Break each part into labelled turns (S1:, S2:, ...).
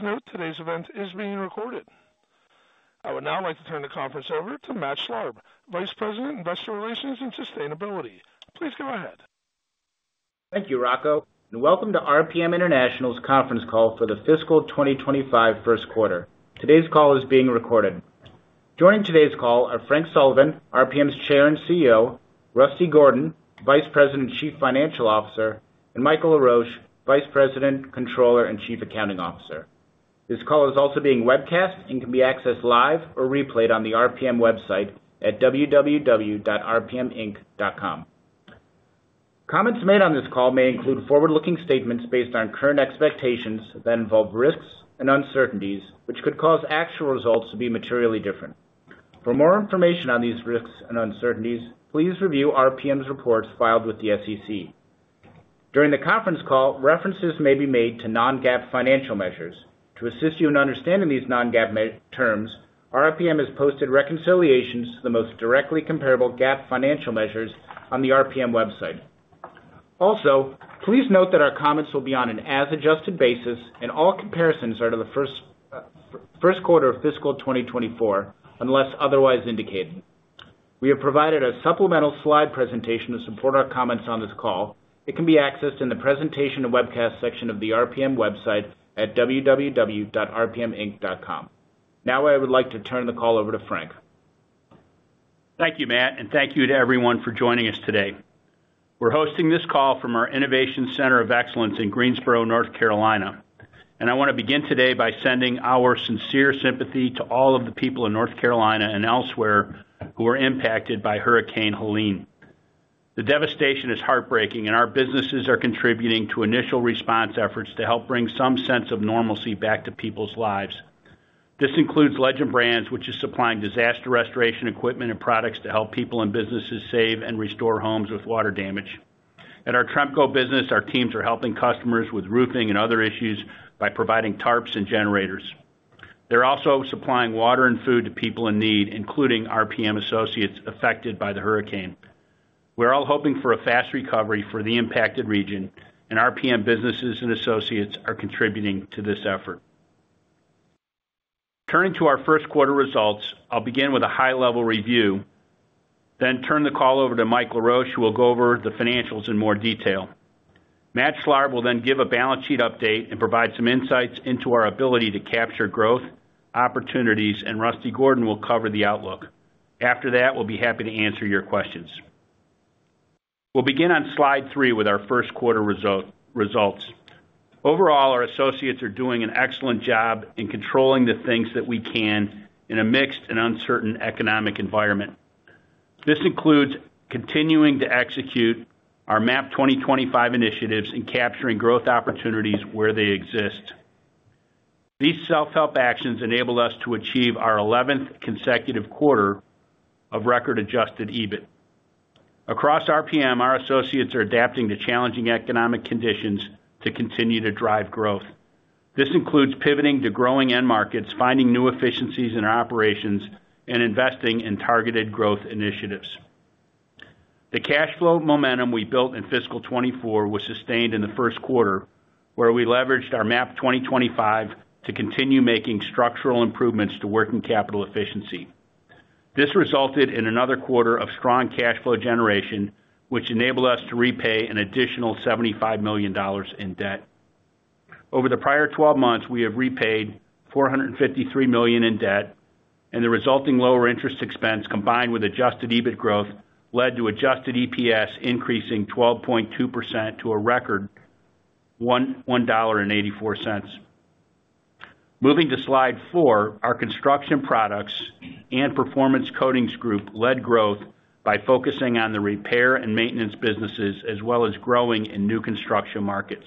S1: Please note, today's event is being recorded. I would now like to turn the conference over to Matt Schlarb, Vice President, Investor Relations and Sustainability. Please go ahead.
S2: Thank you, Rocco, and welcome to RPM International's Conference Call for the fiscal 2025 first quarter. Today's call is being recorded. Joining today's call are Frank Sullivan, RPM's Chair and CEO; Rusty Gordon, Vice President and Chief Financial Officer,;and Michael Laroche, Vice President, Controller, and Chief Accounting Officer. This call is also being webcast and can be accessed live or replayed on the RPM website at www.rpminc.com. Comments made on this call may include forward-looking statements based on current expectations that involve risks and uncertainties, which could cause actual results to be materially different. For more information on these risks and uncertainties, please review RPM's reports filed with the SEC. During the conference call, references may be made to non-GAAP financial measures. To assist you in understanding these non-GAAP measures, RPM has posted reconciliations to the most directly comparable GAAP financial measures on the RPM website. Also, please note that our comments will be on an as-adjusted basis, and all comparisons are to the first quarter of fiscal 2024, unless otherwise indicated. We have provided a supplemental slide presentation to support our comments on this call. It can be accessed in the Presentation of Webcast section of the RPM website at www.rpminc.com. Now, I would like to turn the call over to Frank.
S3: Thank you, Matt, and thank you to everyone for joining us today. We're hosting this call from our Innovation Center of Excellence in Greensboro, North Carolina. I wanna begin today by sending our sincere sympathy to all of the people in North Carolina and elsewhere who were impacted by Hurricane Helene. The devastation is heartbreaking, and our businesses are contributing to initial response efforts to help bring some sense of normalcy back to people's lives. This includes Legend Brands, which is supplying disaster restoration equipment and products to help people and businesses save and restore homes with water damage. At our Tremco business, our teams are helping customers with roofing and other issues by providing tarps and generators. They're also supplying water and food to people in need, including RPM associates affected by the hurricane. We're all hoping for a fast recovery for the impacted region, and RPM businesses and associates are contributing to this effort. Turning to our first quarter results, I'll begin with a high-level review, then turn the call over to Mike Laroche, who will go over the financials in more detail. Matt Schlarb will then give a balance sheet update and provide some insights into our ability to capture growth, opportunities, and Rusty Gordon will cover the outlook. After that, we'll be happy to answer your questions. We'll begin on slide three with our first quarter results. Overall, our associates are doing an excellent job in controlling the things that we can in a mixed and uncertain economic environment. This includes continuing to execute our MAP 2025 initiatives and capturing growth opportunities where they exist. These self-help actions enabled us to achieve our eleventh consecutive quarter of record-adjusted EBIT. Across RPM, our associates are adapting to challenging economic conditions to continue to drive growth. This includes pivoting to growing end markets, finding new efficiencies in our operations, and investing in targeted growth initiatives. The cash flow momentum we built in fiscal 2024 was sustained in the first quarter, where we leveraged our MAP 2025 to continue making structural improvements to working capital efficiency. This resulted in another quarter of strong cash flow generation, which enabled us to repay an additional $75 million in debt. Over the prior 12 months, we have repaid $453 million in debt, and the resulting lower interest expense, combined with adjusted EBIT growth, led to adjusted EPS increasing 12.2% to a record $1.84. Moving to slide four, our Construction Products Group and Performance Coatings Group led growth by focusing on the repair and maintenance businesses, as well as growing in new construction markets.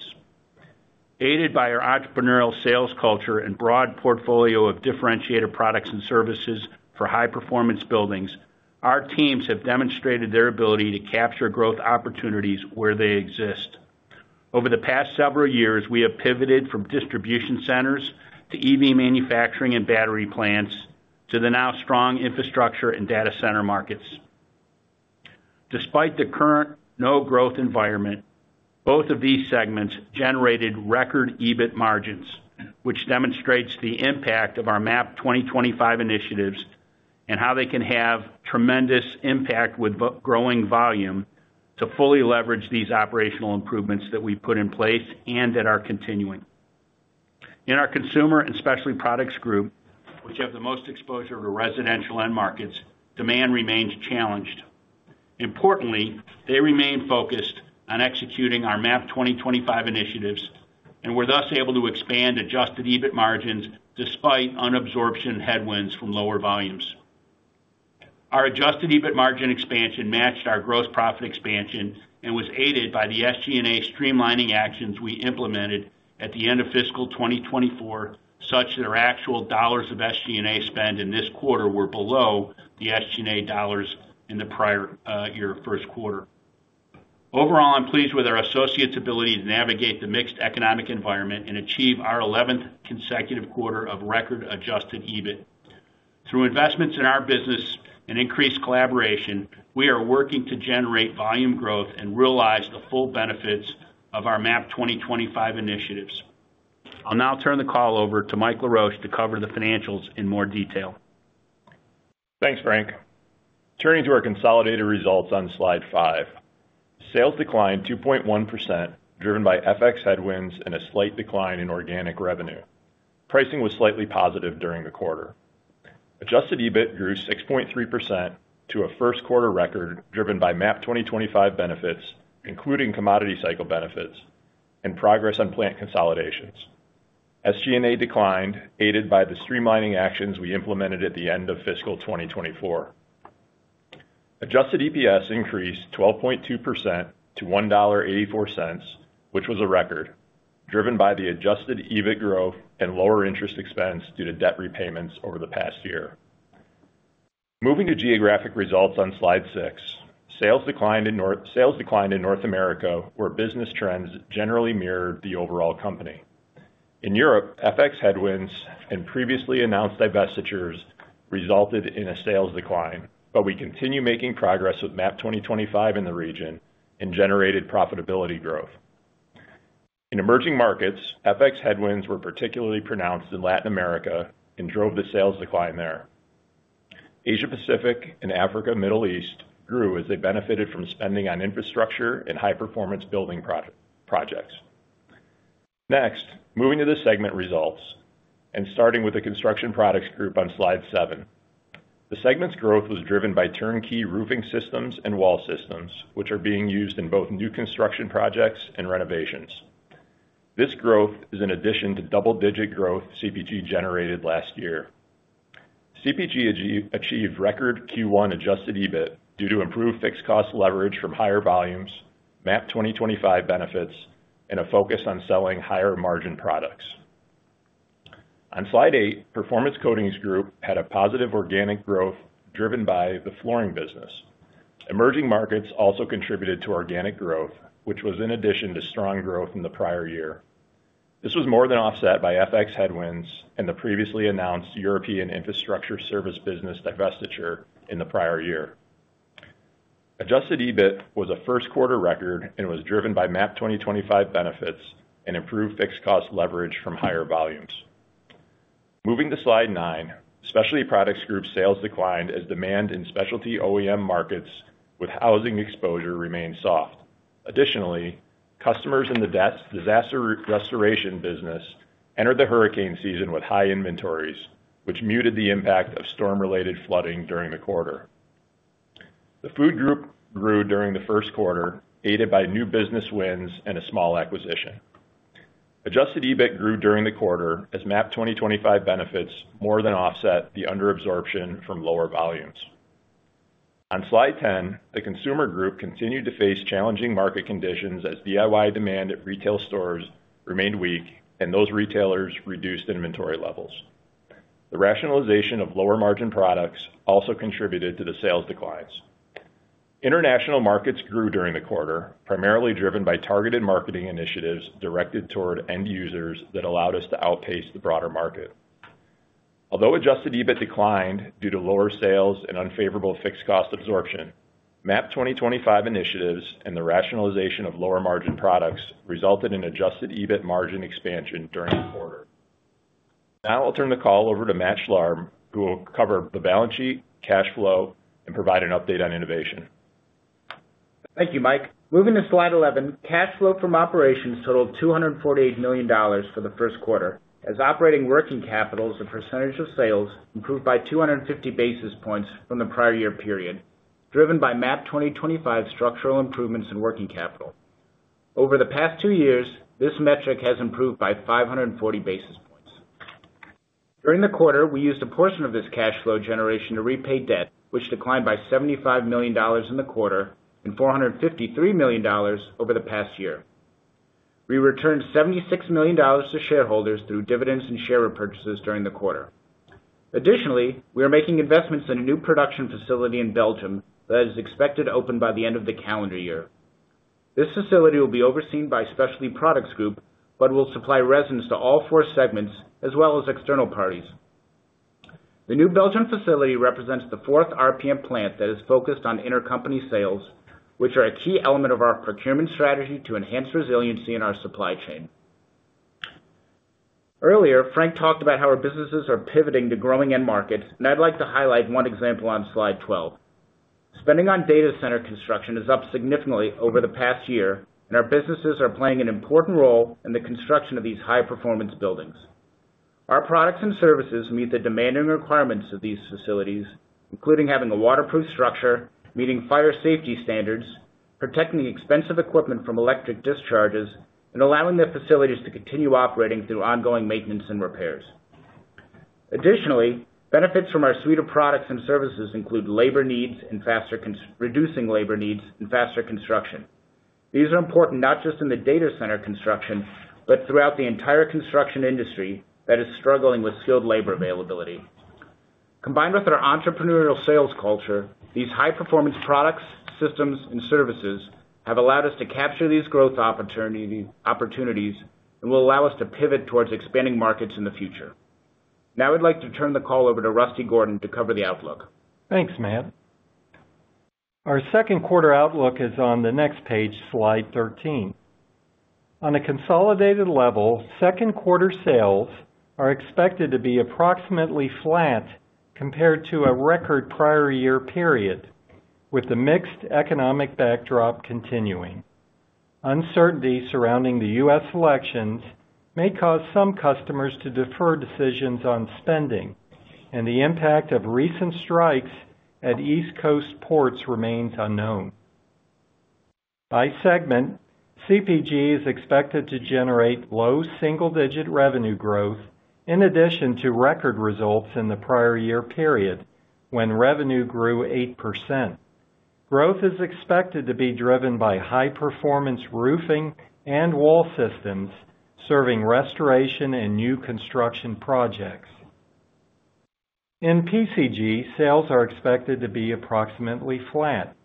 S3: Aided by our entrepreneurial sales culture and broad portfolio of differentiated products and services for high-performance buildings, our teams have demonstrated their ability to capture growth opportunities where they exist. Over the past several years, we have pivoted from distribution centers to EV manufacturing and battery plants, to the now strong infrastructure and data center markets. Despite the current no-growth environment, both of these segments generated record EBIT margins, which demonstrates the impact of our MAP 2025 initiatives and how they can have tremendous impact with growing volume to fully leverage these operational improvements that we've put in place and that are continuing. In our Consumer and Specialty Products Group, which has the most exposure to residential end markets, demand remains challenged. Importantly, they remain focused on executing our MAP 2025 initiatives and were thus able to expand adjusted EBIT margins despite underabsorption headwinds from lower volumes. Our adjusted EBIT margin expansion matched our gross profit expansion and was aided by the SG&A streamlining actions we implemented at the end of fiscal 2024, such that our actual dollars of SG&A spend in this quarter were below the SG&A dollars in the prior year first quarter. Overall, I'm pleased with our associates' ability to navigate the mixed economic environment and achieve our eleventh consecutive quarter of record adjusted EBIT. Through investments in our business and increased collaboration, we are working to generate volume growth and realize the full benefits of our MAP 2025 initiatives. I'll now turn the call over to Mike Laroche to cover the financials in more detail.
S4: Thanks, Frank. Turning to our consolidated results on slide five. Sales declined 2.1%, driven by FX headwinds and a slight decline in organic revenue. Pricing was slightly positive during the quarter. Adjusted EBIT grew 6.3% to a first quarter record, driven by MAP 2025 benefits, including commodity cycle benefits and progress on plant consolidations. SG&A declined, aided by the streamlining actions we implemented at the end of fiscal 2024. Adjusted EPS increased 12.2% to $1.84, which was a record, driven by the adjusted EBIT growth and lower interest expense due to debt repayments over the past year. Moving to geographic results on slide six, sales declined in North America, where business trends generally mirrored the overall company. In Europe, FX headwinds and previously announced divestitures resulted in a sales decline, but we continue making progress with MAP 2025 in the region and generated profitability growth. In emerging markets, FX headwinds were particularly pronounced in Latin America and drove the sales decline there. Asia Pacific and Africa, Middle East grew as they benefited from spending on infrastructure and high-performance building projects. Next, moving to the segment results and starting with the Construction Products Group on slide seven. The segment's growth was driven by turnkey roofing systems and wall systems, which are being used in both new construction projects and renovations. This growth is an addition to double-digit growth CPG generated last year. CPG achieved record Q1 adjusted EBIT due to improved fixed cost leverage from higher volumes, MAP 2025 benefits, and a focus on selling higher-margin products. On slide eight, Performance Coatings Group had a positive organic growth driven by the flooring business. Emerging markets also contributed to organic growth, which was in addition to strong growth in the prior year. This was more than offset by FX headwinds and the previously announced European infrastructure service business divestiture in the prior year. Adjusted EBIT was a first quarter record, and it was driven by MAP 2025 benefits and improved fixed cost leverage from higher volumes. Moving to slide nine, Specialty Products Group sales declined as demand in specialty OEM markets with housing exposure remained soft. Additionally, customers in the disaster restoration business entered the hurricane season with high inventories, which muted the impact of storm-related flooding during the quarter. The food group grew during the first quarter, aided by new business wins and a small acquisition. Adjusted EBIT grew during the quarter as MAP 2025 benefits more than offset the under absorption from lower volumes. On slide 10, the Consumer Group continued to face challenging market conditions as DIY demand at retail stores remained weak and those retailers reduced inventory levels. The rationalization of lower-margin products also contributed to the sales declines. International markets grew during the quarter, primarily driven by targeted marketing initiatives directed toward end users that allowed us to outpace the broader market. Although adjusted EBIT declined due to lower sales and unfavorable fixed cost absorption, MAP 2025 initiatives and the rationalization of lower-margin products resulted in adjusted EBIT margin expansion during the quarter. Now I'll turn the call over to Matt Schlarb, who will cover the balance sheet, cash flow, and provide an update on innovation.
S2: Thank you, Mike. Moving to slide 11, cash flow from operations totaled $248 million for the first quarter, as operating working capital as a percentage of sales improved by 250 basis points from the prior year period, driven by MAP 2025 structural improvements in working capital. Over the past two years, this metric has improved by 540 basis points. During the quarter, we used a portion of this cash flow generation to repay debt, which declined by $75 million in the quarter and $453 million over the past year. We returned $76 million to shareholders through dividends and share repurchases during the quarter. Additionally, we are making investments in a new production facility in Belgium that is expected to open by the end of the calendar year. This facility will be overseen by Specialty Products Group, but will supply resins to all four segments, as well as external parties. The new Belgian facility represents the fourth RPM plant that is focused on intercompany sales, which are a key element of our procurement strategy to enhance resiliency in our supply chain. Earlier, Frank talked about how our businesses are pivoting to growing end markets, and I'd like to highlight one example on slide twelve. Spending on data center construction is up significantly over the past year, and our businesses are playing an important role in the construction of these high-performance buildings. Our products and services meet the demanding requirements of these facilities, including having a waterproof structure, meeting fire safety standards, protecting expensive equipment from electric discharges, and allowing the facilities to continue operating through ongoing maintenance and repairs. Additionally, benefits from our suite of products and services include reducing labor needs and faster construction. These are important not just in the data center construction, but throughout the entire construction industry that is struggling with skilled labor availability. Combined with our entrepreneurial sales culture, these high-performance products, systems, and services have allowed us to capture these growth opportunities and will allow us to pivot towards expanding markets in the future. Now I'd like to turn the call over to Rusty Gordon to cover the outlook.
S5: Thanks, Matt. Our second quarter outlook is on the next page, slide 13. On a consolidated level, second quarter sales are expected to be approximately flat compared to a record prior year period, with the mixed economic backdrop continuing. Uncertainty surrounding the U.S. elections may cause some customers to defer decisions on spending, and the impact of recent strikes at East Coast ports remains unknown. By segment, CPG is expected to generate low single-digit revenue growth in addition to record results in the prior year period, when revenue grew 8%. Growth is expected to be driven by high performance roofing and wall systems, serving restoration and new construction projects. In PCG, sales are expected to be approximately flat,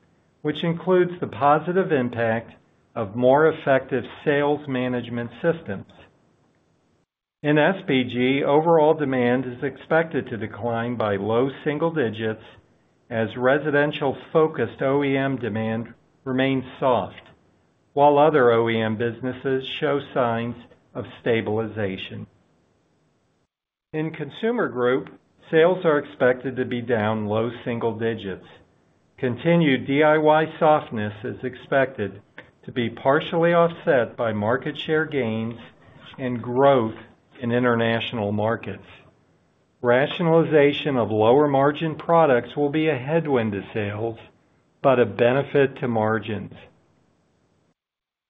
S5: which includes the positive impact of more effective sales management systems. In SPG, overall demand is expected to decline by low single digits as residential-focused OEM demand remains soft, while other OEM businesses show signs of stabilization. In Consumer Group, sales are expected to be down low single digits. Continued DIY softness is expected to be partially offset by market share gains and growth in international markets. Rationalization of lower margin products will be a headwind to sales, but a benefit to margins.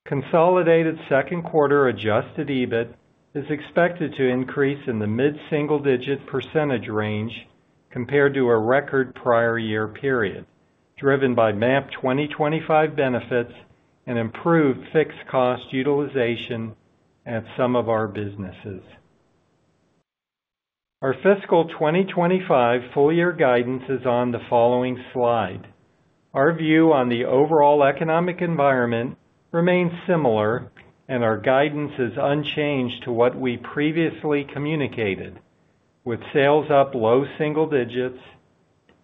S5: Consolidated second quarter adjusted EBIT is expected to increase in the mid-single digit percentage range compared to a record prior year period, driven by MAP 2025 benefits and improved fixed cost utilization at some of our businesses. Our fiscal 2025 full year guidance is on the following slide. Our view on the overall economic environment remains similar, and our guidance is unchanged to what we previously communicated, with sales up low single digits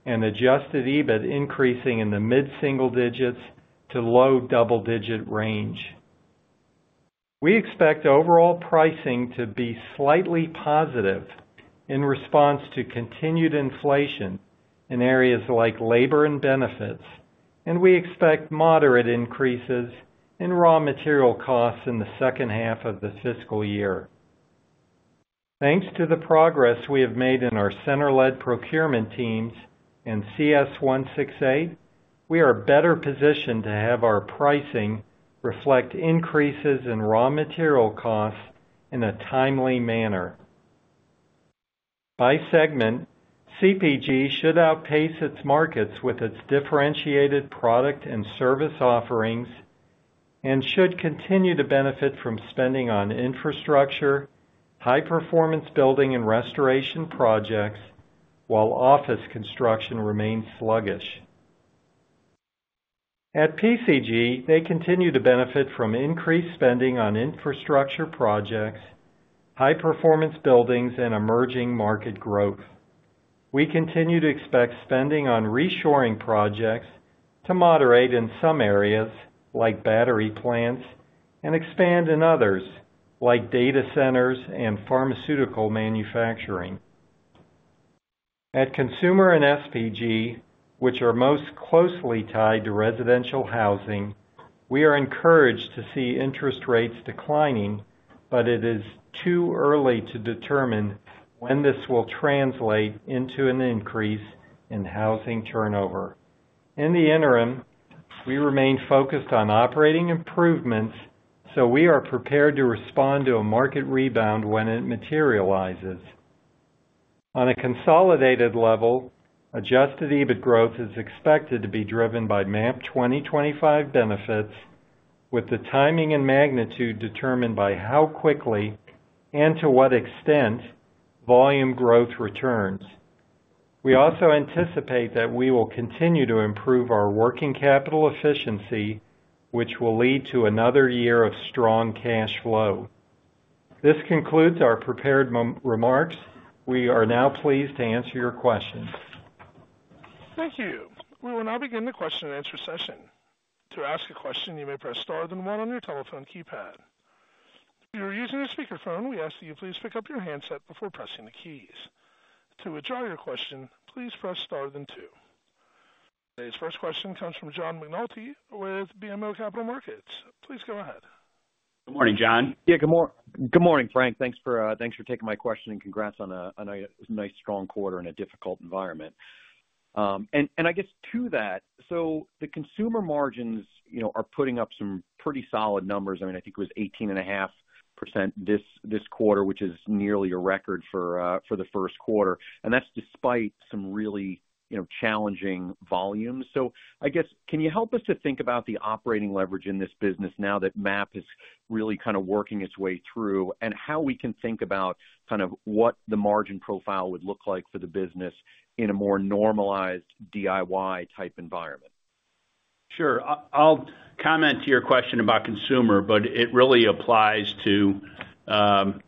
S5: and adjusted EBIT increasing in the mid-single digits to low double-digit range. We expect overall pricing to be slightly positive in response to continued inflation in areas like labor and benefits, and we expect moderate increases in raw material costs in the second half of the fiscal year. Thanks to the progress we have made in our center-led procurement teams and CS168, we are better positioned to have our pricing reflect increases in raw material costs in a timely manner. By segment, CPG should outpace its markets with its differentiated product and service offerings and should continue to benefit from spending on infrastructure, high performance building and restoration projects, while office construction remains sluggish. At PCG, they continue to benefit from increased spending on infrastructure projects, high performance buildings, and emerging market growth. We continue to expect spending on reshoring projects to moderate in some areas, like battery plants, and expand in others, like data centers and pharmaceutical manufacturing. At Consumer and SPG, which are most closely tied to residential housing, we are encouraged to see interest rates declining, but it is too early to determine when this will translate into an increase in housing turnover. In the interim, we remain focused on operating improvements, so we are prepared to respond to a market rebound when it materializes. On a consolidated level, Adjusted EBIT growth is expected to be driven by MAP 2025 benefits, with the timing and magnitude determined by how quickly and to what extent volume growth returns. We also anticipate that we will continue to improve our working capital efficiency, which will lead to another year of strong cash flow. This concludes our prepared remarks. We are now pleased to answer your questions.
S1: Thank you. We will now begin the question and answer session. To ask a question, you may press star then one on your telephone keypad. If you are using a speakerphone, we ask that you please pick up your handset before pressing the keys. To withdraw your question, please press star then two. Today's first question comes from John McNulty with BMO Capital Markets. Please go ahead.
S3: Good morning, John.
S6: Yeah, good morning, Frank. Thanks for taking my question, and congrats on a nice, strong quarter in a difficult environment. And I guess to that, so the consumer margins, you know, are putting up some pretty solid numbers. I mean, I think it was 18.5% this quarter, which is nearly a record for the first quarter, and that's despite some really, you know, challenging volumes. So I guess, can you help us to think about the operating leverage in this business now that MAP is really kind of working its way through, and how we can think about kind of what the margin profile would look like for the business in a more normalized DIY-type environment?
S3: Sure. I'll comment to your question about consumer, but it really applies to all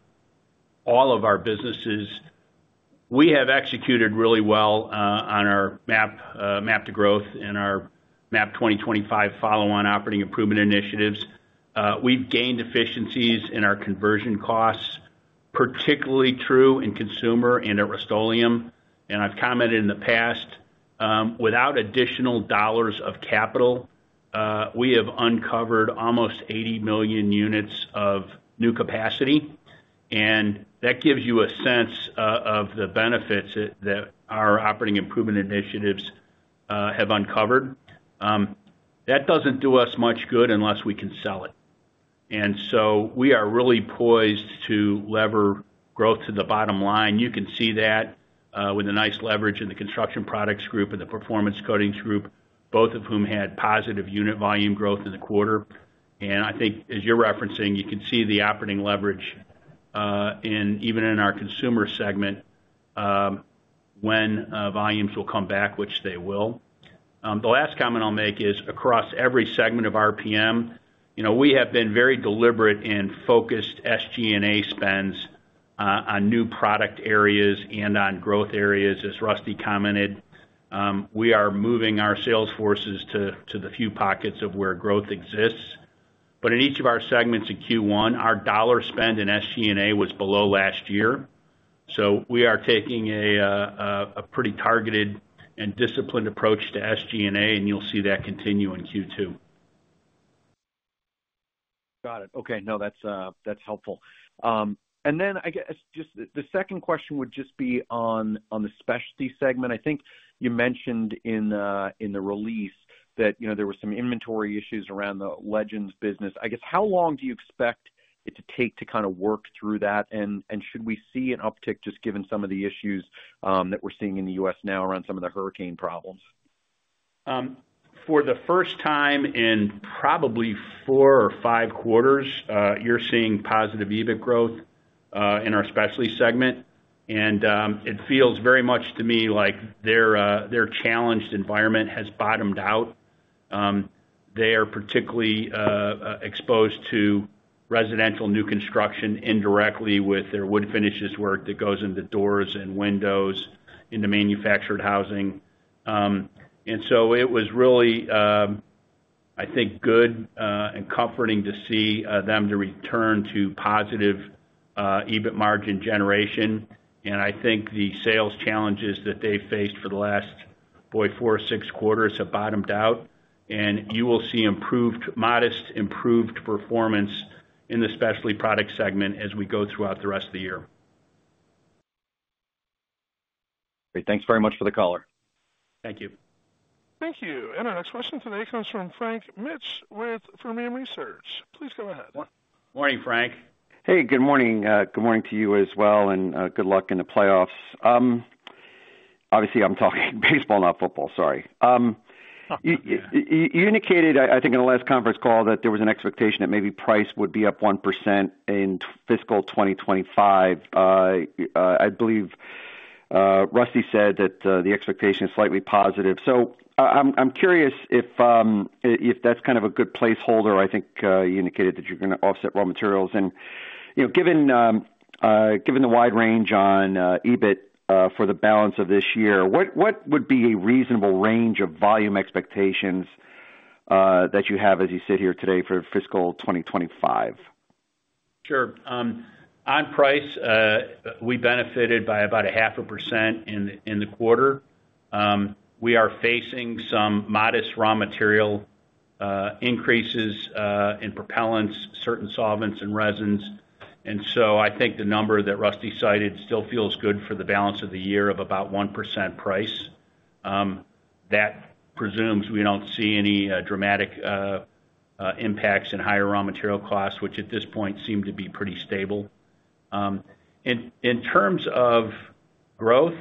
S3: of our businesses. We have executed really well on our MAP to Growth and our MAP 2025 follow-on operating improvement initiatives. We've gained efficiencies in our conversion costs, particularly true in consumer and at Rust-Oleum. And I've commented in the past, without additional dollars of capital, we have uncovered almost 80 million units of new capacity, and that gives you a sense of the benefits that our operating improvement initiatives have uncovered. That doesn't do us much good unless we can sell it, and so we are really poised to lever growth to the bottom line. You can see that, with a nice leverage in the Construction Products Group and the Performance Coatings Group, both of whom had positive unit volume growth in the quarter. And I think as you're referencing, you can see the operating leverage, in even in our consumer segment, when volumes will come back, which they will. The last comment I'll make is across every segment of RPM, you know, we have been very deliberate in focused SG&A spends, on new product areas and on growth areas, as Rusty commented. We are moving our sales forces to the few pockets of where growth exists. But in each of our segments in Q1, our dollar spend in SG&A was below last year. So we are taking a pretty targeted and disciplined approach to SG&A, and you'll see that continue in Q2.
S6: Got it. Okay. No, that's, that's helpful. And then I guess, just the second question would just be on the Specialty segment. I think you mentioned in the, in the release that, you know, there were some inventory issues around the Legend Brands business. I guess, how long do you expect it to take to kind of work through that? And should we see an uptick, just given some of the issues, that we're seeing in the U.S. now around some of the hurricane problems?
S3: For the first time in probably four or five quarters, you're seeing positive EBIT growth in our Specialty segment, and it feels very much to me like their challenged environment has bottomed out. They are particularly exposed to residential new construction indirectly with their wood finishes work that goes into doors and windows, into manufactured housing, and so it was really, I think, good and comforting to see them return to positive EBIT margin generation, and I think the sales challenges that they faced for the last, boy, four or six quarters have bottomed out, and you will see modest improved performance in the Specialty Products segment as we go throughout the rest of the year.
S6: Great, thanks very much for the caller.
S3: Thank you.
S1: Thank you. And our next question today comes from Frank Mitsch with Fermium Research. Please go ahead.
S3: Morning, Frank.
S7: Hey, good morning. Good morning to you as well, and good luck in the playoffs. Obviously, I'm talking baseball, not football. Sorry. You indicated, I think in the last conference call, that there was an expectation that maybe price would be up 1% in fiscal 2025. I believe Rusty said that the expectation is slightly positive. So I'm curious if that's kind of a good placeholder. I think you indicated that you're gonna offset raw materials. And, you know, given the wide range on EBIT for the balance of this year, what would be a reasonable range of volume expectations that you have as you sit here today for fiscal 2025?
S3: Sure. On price, we benefited by about 0.5% in the quarter. We are facing some modest raw material increases in propellants, certain solvents and resins. And so I think the number that Rusty cited still feels good for the balance of the year of about 1% price. That presumes we don't see any dramatic impacts in higher raw material costs, which at this point seem to be pretty stable. In terms of growth,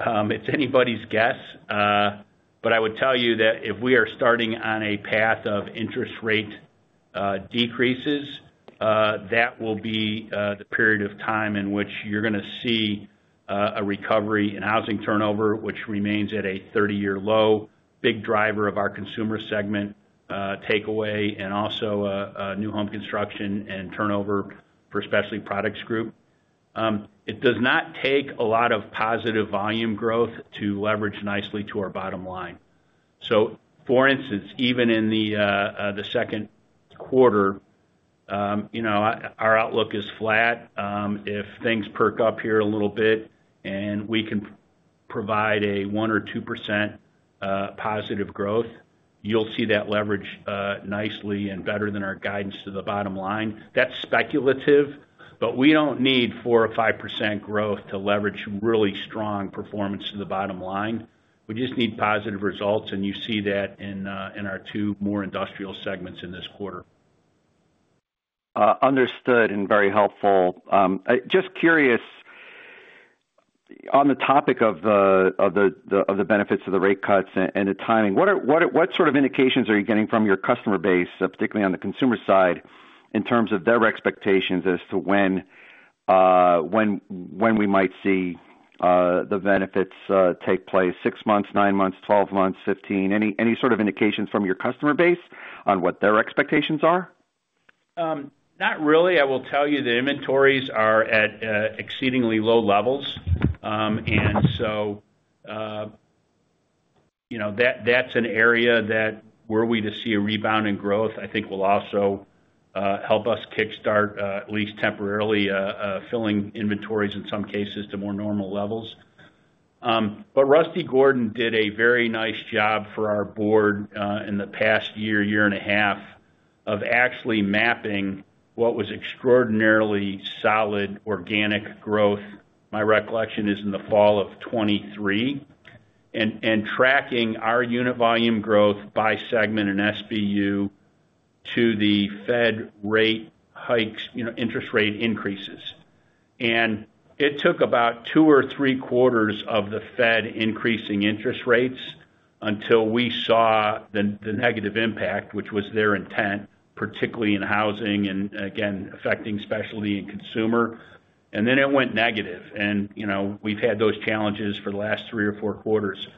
S3: it's anybody's guess, but I would tell you that if we are starting on a path of interest rate decreases, that will be the period of time in which you're gonna see a recovery in housing turnover, which remains at a thirty-year low, big driver of our Consumer Group, takeaway and also new home construction and turnover for Specialty Products Group. It does not take a lot of positive volume growth to leverage nicely to our bottom line. So for instance, even in the second quarter, you know, our outlook is flat. If things perk up here a little bit and we can provide a 1% or 2% positive growth, you'll see that leverage nicely and better than our guidance to the bottom line. That's speculative, but we don't need 4% or 5% growth to leverage really strong performance to the bottom line. We just need positive results, and you see that in our two more industrial segments in this quarter.
S7: Understood, and very helpful. Just curious, on the topic of the benefits of the rate cuts and the timing, what sort of indications are you getting from your customer base, particularly on the consumer side, in terms of their expectations as to when we might see the benefits take place? Six months, nine months, 12 months, fifteen? Any sort of indications from your customer base on what their expectations are?
S3: Not really. I will tell you, the inventories are at exceedingly low levels. And so, you know, that's an area that were we to see a rebound in growth, I think will also help us kickstart at least temporarily filling inventories in some cases, to more normal levels. But Rusty Gordon did a very nice job for our board in the past year, year and a half, of actually mapping what was extraordinarily solid organic growth. My recollection is in the fall of 2023, tracking our unit volume growth by segment and SBU to the Fed rate hikes, you know, interest rate increases. It took about two or three quarters of the Fed increasing interest rates until we saw the negative impact, which was their intent, particularly in housing and again, affecting specialty and consumer. Then it went negative. You know, we've had those challenges for the last three or four quarters.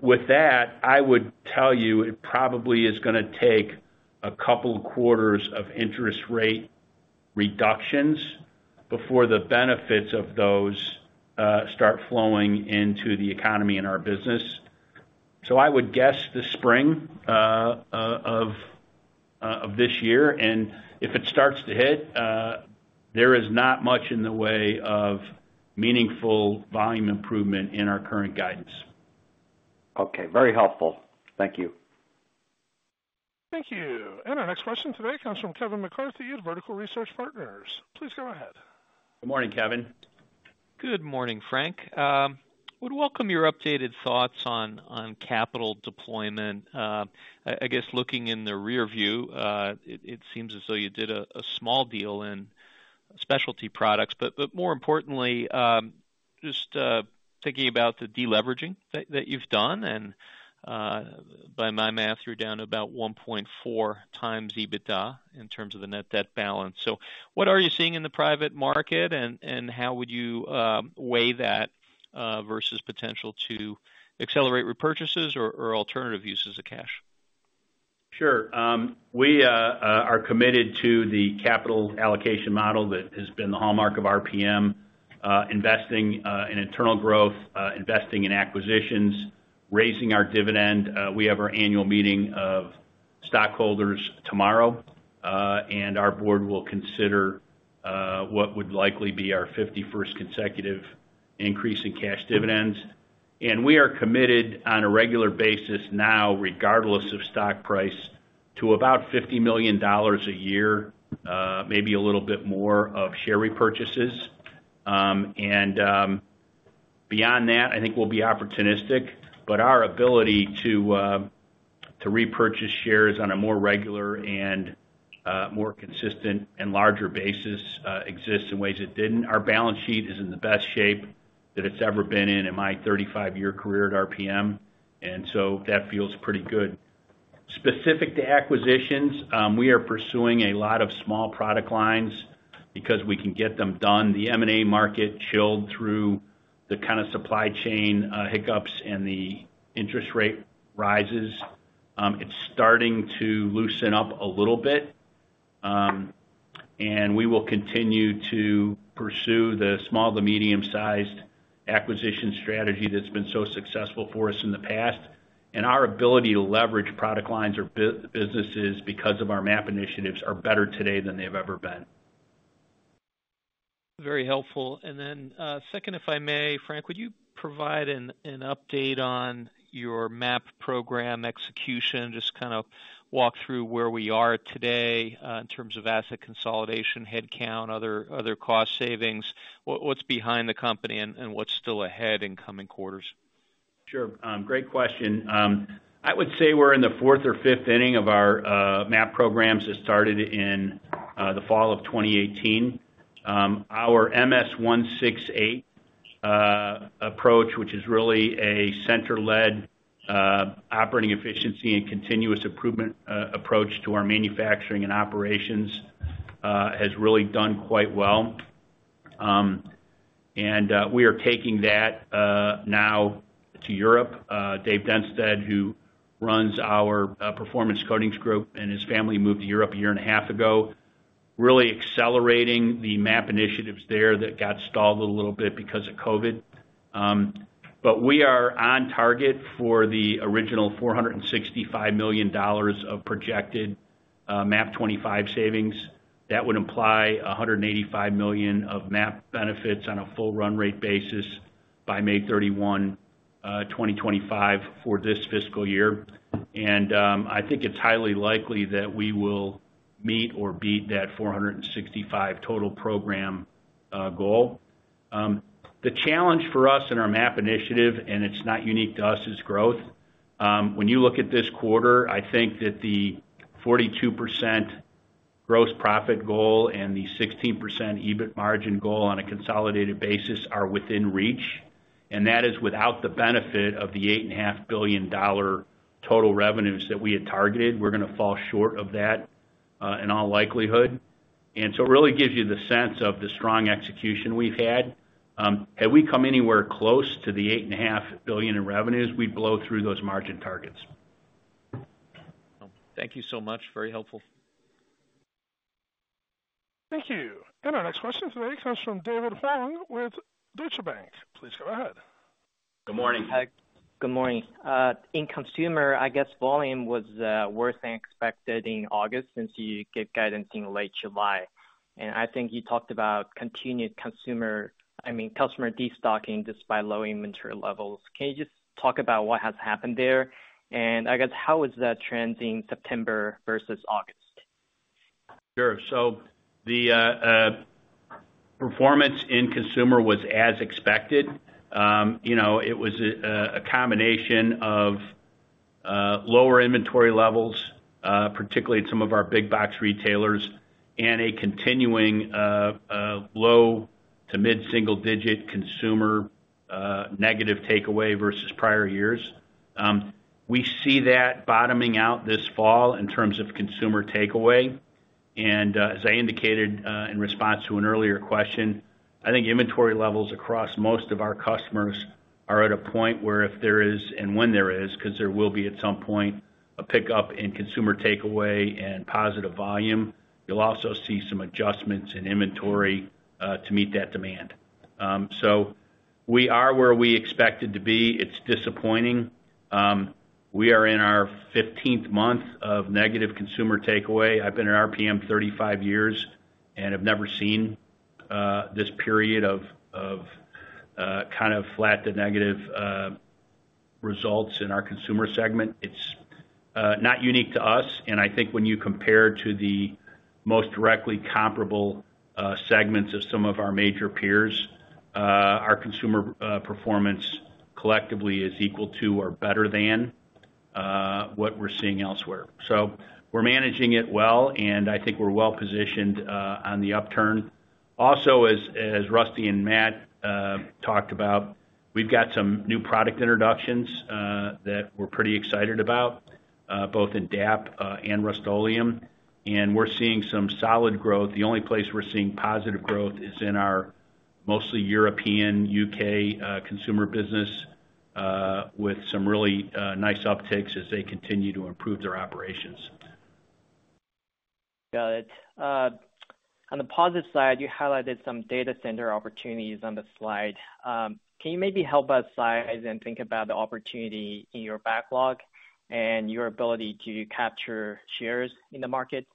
S3: With that, I would tell you, it probably is gonna take a couple quarters of interest rate reductions before the benefits of those start flowing into the economy and our business. I would guess this spring of this year, and if it starts to hit, there is not much in the way of meaningful volume improvement in our current guidance.
S7: Okay, very helpful. Thank you.
S1: Thank you. And our next question today comes from Kevin McCarthy at Vertical Research Partners. Please go ahead.
S3: Good morning, Kevin.
S8: Good morning, Frank. I would welcome your updated thoughts on capital deployment. I guess, looking in the rearview, it seems as though you did a small deal in specialty products, but more importantly, just thinking about the deleveraging that you've done, and by my math, you're down to about 1.4x EBITDA in terms of the net debt balance. So what are you seeing in the private market, and how would you weigh that versus potential to accelerate repurchases or alternative uses of cash?
S3: Sure. We are committed to the capital allocation model that has been the hallmark of RPM, investing in internal growth, investing in acquisitions, raising our dividend. We have our annual meeting of stockholders tomorrow, and our board will consider what would likely be our fifty-first consecutive increase in cash dividends. And we are committed on a regular basis now, regardless of stock price, to about $50 million a year, maybe a little bit more of share repurchases. And beyond that, I think we'll be opportunistic, but our ability to repurchase shares on a more regular and more consistent and larger basis exists in ways it didn't. Our balance sheet is in the best shape that it's ever been in, in my thirty-five-year career at RPM, and so that feels pretty good. Specific to acquisitions, we are pursuing a lot of small product lines because we can get them done. The M&A market chilled through the kind of supply chain hiccups and the interest rate rises. It's starting to loosen up a little bit, and we will continue to pursue the small to medium-sized acquisition strategy that's been so successful for us in the past, and our ability to leverage product lines or businesses because of our MAP initiatives are better today than they've ever been.
S8: Very helpful. And then, second, if I may, Frank, would you provide an update on your MAP program execution? Just kind of walk through where we are today, in terms of asset consolidation, headcount, other cost savings. What's behind the company and what's still ahead in coming quarters?
S3: Sure. Great question. I would say we're in the fourth or fifth inning of our MAP programs that started in the fall of twenty eighteen. Our MS168 approach, which is really a center-led operating efficiency and continuous improvement approach to our manufacturing and operations, has really done quite well, and we are taking that now to Europe. Dave Dinstuhl, who runs our Performance Coatings Group, and his family, moved to Europe a year and a half ago, really accelerating the MAP initiatives there that got stalled a little bit because of COVID, but we are on target for the original $465 million of projected MAP 2025 savings. That would imply $185 million of MAP benefits on a full run rate basis by May thirty-one, 2025 for this fiscal year. And I think it's highly likely that we will meet or beat that $465 million total program goal. The challenge for us in our MAP initiative, and it's not unique to us, is growth. When you look at this quarter, I think that the 42% gross profit goal and the 16% EBIT margin goal on a consolidated basis are within reach... and that is without the benefit of the $8.5 billion total revenues that we had targeted. We're gonna fall short of that, in all likelihood. And so it really gives you the sense of the strong execution we've had. Had we come anywhere close to the $8.5 billion in revenues, we'd blow through those margin targets.
S8: Thank you so much. Very helpful.
S1: Thank you. And our next question today comes from David Huang with Deutsche Bank. Please go ahead.
S3: Good morning.
S9: Hi. Good morning. In consumer, I guess, volume was worse than expected in August, since you gave guidance in late July. And I think you talked about continued consumer I mean, customer destocking, despite low inventory levels. Can you just talk about what has happened there? And I guess, how is that trending September versus August?
S3: Sure. So the performance in consumer was as expected. You know, it was a combination of lower inventory levels, particularly in some of our big box retailers, and a continuing low to mid-single digit consumer negative takeaway versus prior years. We see that bottoming out this fall in terms of consumer takeaway. And, as I indicated, in response to an earlier question, I think inventory levels across most of our customers are at a point where if there is, and when there is, 'cause there will be at some point, a pickup in consumer takeaway and positive volume, you'll also see some adjustments in inventory to meet that demand. So we are where we expected to be. It's disappointing. We are in our fifteenth month of negative consumer takeaway. I've been at RPM 35 years and have never seen this period of kind of flat to negative results in our consumer segment. It's not unique to us, and I think when you compare to the most directly comparable segments of some of our major peers, our consumer performance collectively is equal to or better than what we're seeing elsewhere. So we're managing it well, and I think we're well positioned on the upturn. Also, as Rusty and Matt talked about, we've got some new product introductions that we're pretty excited about both in DAP and Rust-Oleum, and we're seeing some solid growth. The only place we're seeing positive growth is in our mostly European, U.K. consumer business with some really nice upticks as they continue to improve their operations.
S9: Got it. On the positive side, you highlighted some data center opportunities on the slide. Can you maybe help us size and think about the opportunity in your backlog and your ability to capture shares in the market?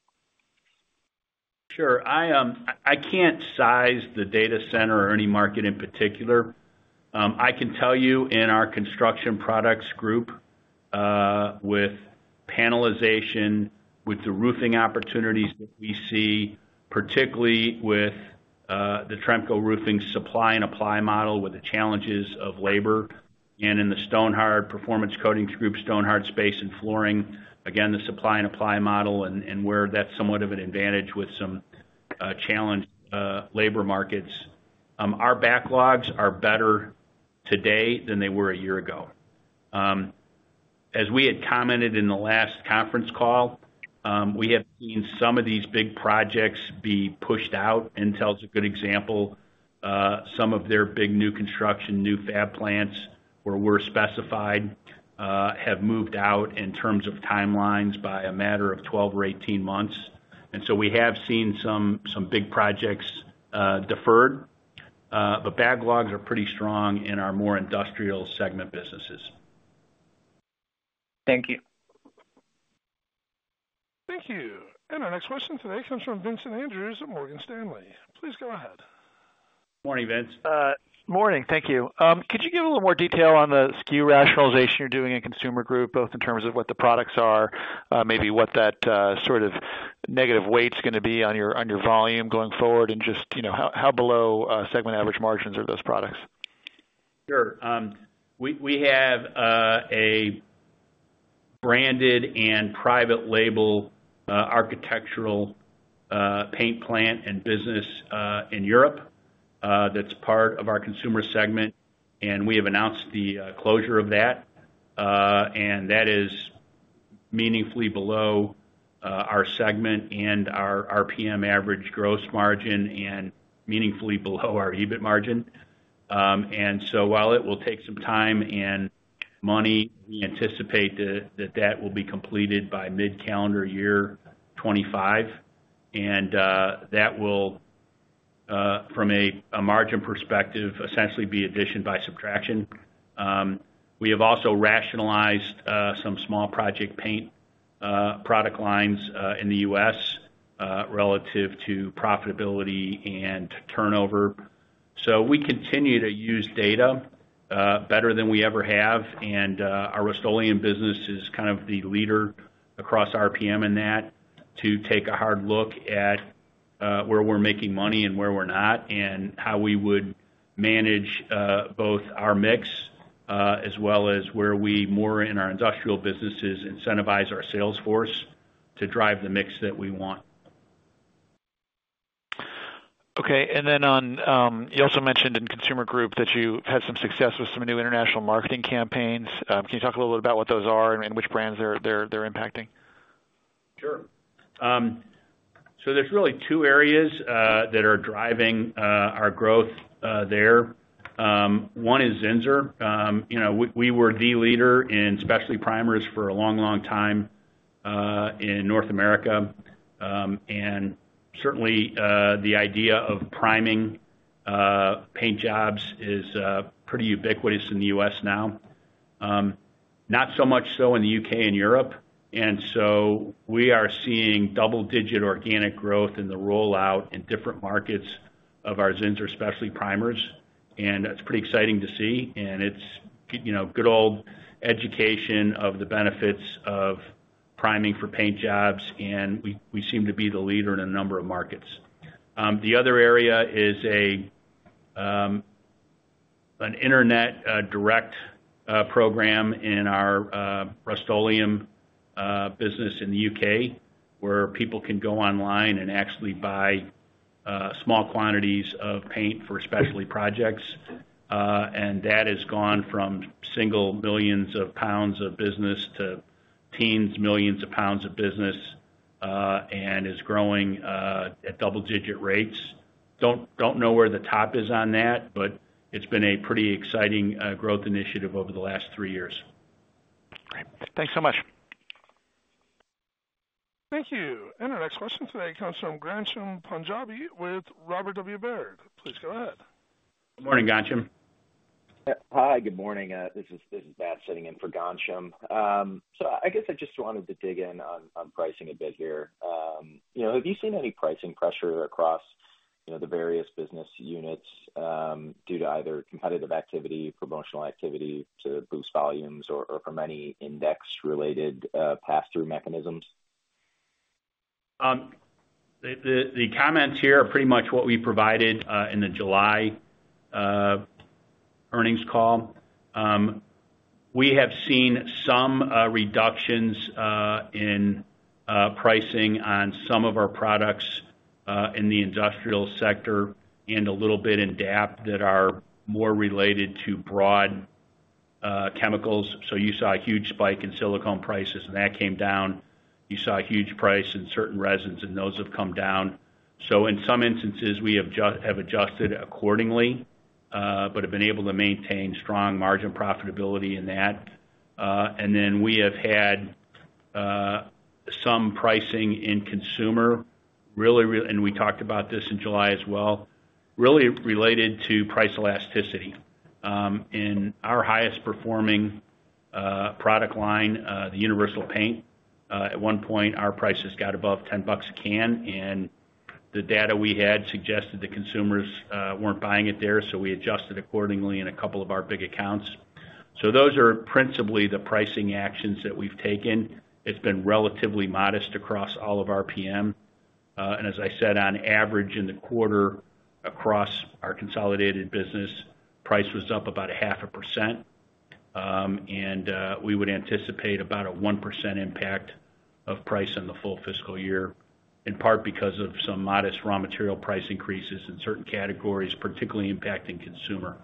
S3: Sure. I can't size the data center or any market in particular. I can tell you, in our Construction Products Group, with panelization, with the roofing opportunities that we see, particularly with the Tremco Roofing supply and apply model, with the challenges of labor, and in the Stonhard Performance Coatings Group, Stonhard's base in flooring, again, the supply and apply model and where that's somewhat of an advantage with some challenged labor markets. Our backlogs are better today than they were a year ago. As we had commented in the last conference call, we have seen some of these big projects be pushed out. Intel's a good example. Some of their big new construction, new fab plants, where we're specified, have moved out in terms of timelines by a matter of 12 or 18 months. We have seen some big projects deferred, but backlogs are pretty strong in our more industrial segment businesses.
S9: Thank you.
S1: Thank you. And our next question today comes from Vincent Andrews at Morgan Stanley. Please go ahead.
S3: Morning, Vince.
S10: Morning. Thank you. Could you give a little more detail on the SKU rationalization you're doing in Consumer Group, both in terms of what the products are, maybe what that, sort of negative weight's gonna be on your volume going forward, and just, you know, how below segment average margins are those products?
S3: Sure. We have a branded and private label architectural paint plant and business in Europe that's part of our consumer segment, and we have announced the closure of that. And that is meaningfully below our segment and our RPM average gross margin and meaningfully below our EBIT margin. And so while it will take some time and money, we anticipate that that will be completed by mid-calendar year twenty-five. And that will, from a margin perspective, essentially be addition by subtraction. We have also rationalized some small project paint product lines in the U.S. relative to profitability and turnover. So we continue to use data better than we ever have, and our Rust-Oleum business is kind of the leader across RPM in that, to take a hard look at where we're making money and where we're not, and how we would manage both our mix as well as where we more in our industrial businesses, incentivize our sales force to drive the mix that we want.
S10: Okay, and then on, you also mentioned in Consumer Group that you had some success with some new international marketing campaigns. Can you talk a little bit about what those are and which brands they're impacting?
S3: Sure. So there's really two areas that are driving our growth there. One is Zinsser. You know, we, we were the leader in specialty primers for a long, long time in North America. And certainly the idea of priming paint jobs is pretty ubiquitous in the U.S. now. Not so much so in the U.K. and Europe, and so we are seeing double digit organic growth in the rollout in different markets of our Zinsser specialty primers, and that's pretty exciting to see, and it's, you know, good old education of the benefits of priming for paint jobs, and we, we seem to be the leader in a number of markets. The other area is an internet direct program in our Rust-Oleum business in the U.K., where people can go online and actually buy small quantities of paint for specialty projects, and that has gone from single millions of GBP to tens millions of GBP of business, and is growing at double-digit rates. Don't know where the top is on that, but it's been a pretty exciting growth initiative over the last three years.
S10: Great. Thanks so much.
S1: Thank you. And our next question today comes from Ghansham Panjabi with Robert W. Baird. Please go ahead.
S3: Good morning, Ghansham. Hi, good morning. This is Matt sitting in for Ghansham. So I guess I just wanted to dig in on pricing a bit here. You know, have you seen any pricing pressure across the various business units due to either competitive activity, promotional activity to boost volumes or from any index-related pass-through mechanisms? The comments here are pretty much what we provided in the July earnings call. We have seen some reductions in pricing on some of our products in the industrial sector and a little bit in DAP that are more related to broad chemicals. So you saw a huge spike in silicone prices, and that came down. You saw a huge spike in prices in certain resins, and those have come down. So in some instances, we have just adjusted accordingly, but have been able to maintain strong margin profitability in that. And then we have had some pricing in consumer, really, and we talked about this in July as well, really related to price elasticity. In our highest performing product line, the Universal paint, at one point, our prices got above $10 a can, and the data we had suggested that consumers weren't buying it there, so we adjusted accordingly in a couple of our big accounts. Those are principally the pricing actions that we've taken. It's been relatively modest across all of our PM. As I said, on average, in the quarter, across our consolidated business, price was up about 0.5%. We would anticipate about a 1% impact of price in the full fiscal year, in part because of some modest raw material price increases in certain categories, particularly impacting consumer.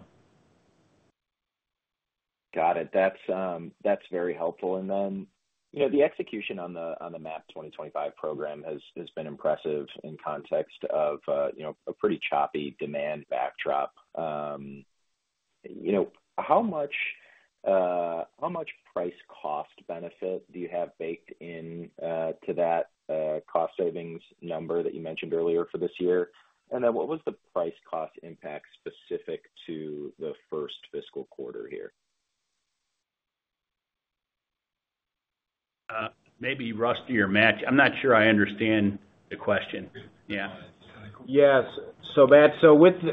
S3: Got it. That's very helpful. And then, you know, the execution on the MAP 2025 program has been impressive in context of, you know, a pretty choppy demand backdrop. You know, how much price cost benefit do you have baked in to that cost savings number that you mentioned earlier for this year? And then what was the price cost impact specific to the first fiscal quarter here? Maybe Rusty or Matt, I'm not sure I understand the question. Yeah.
S5: Yes. So Matt,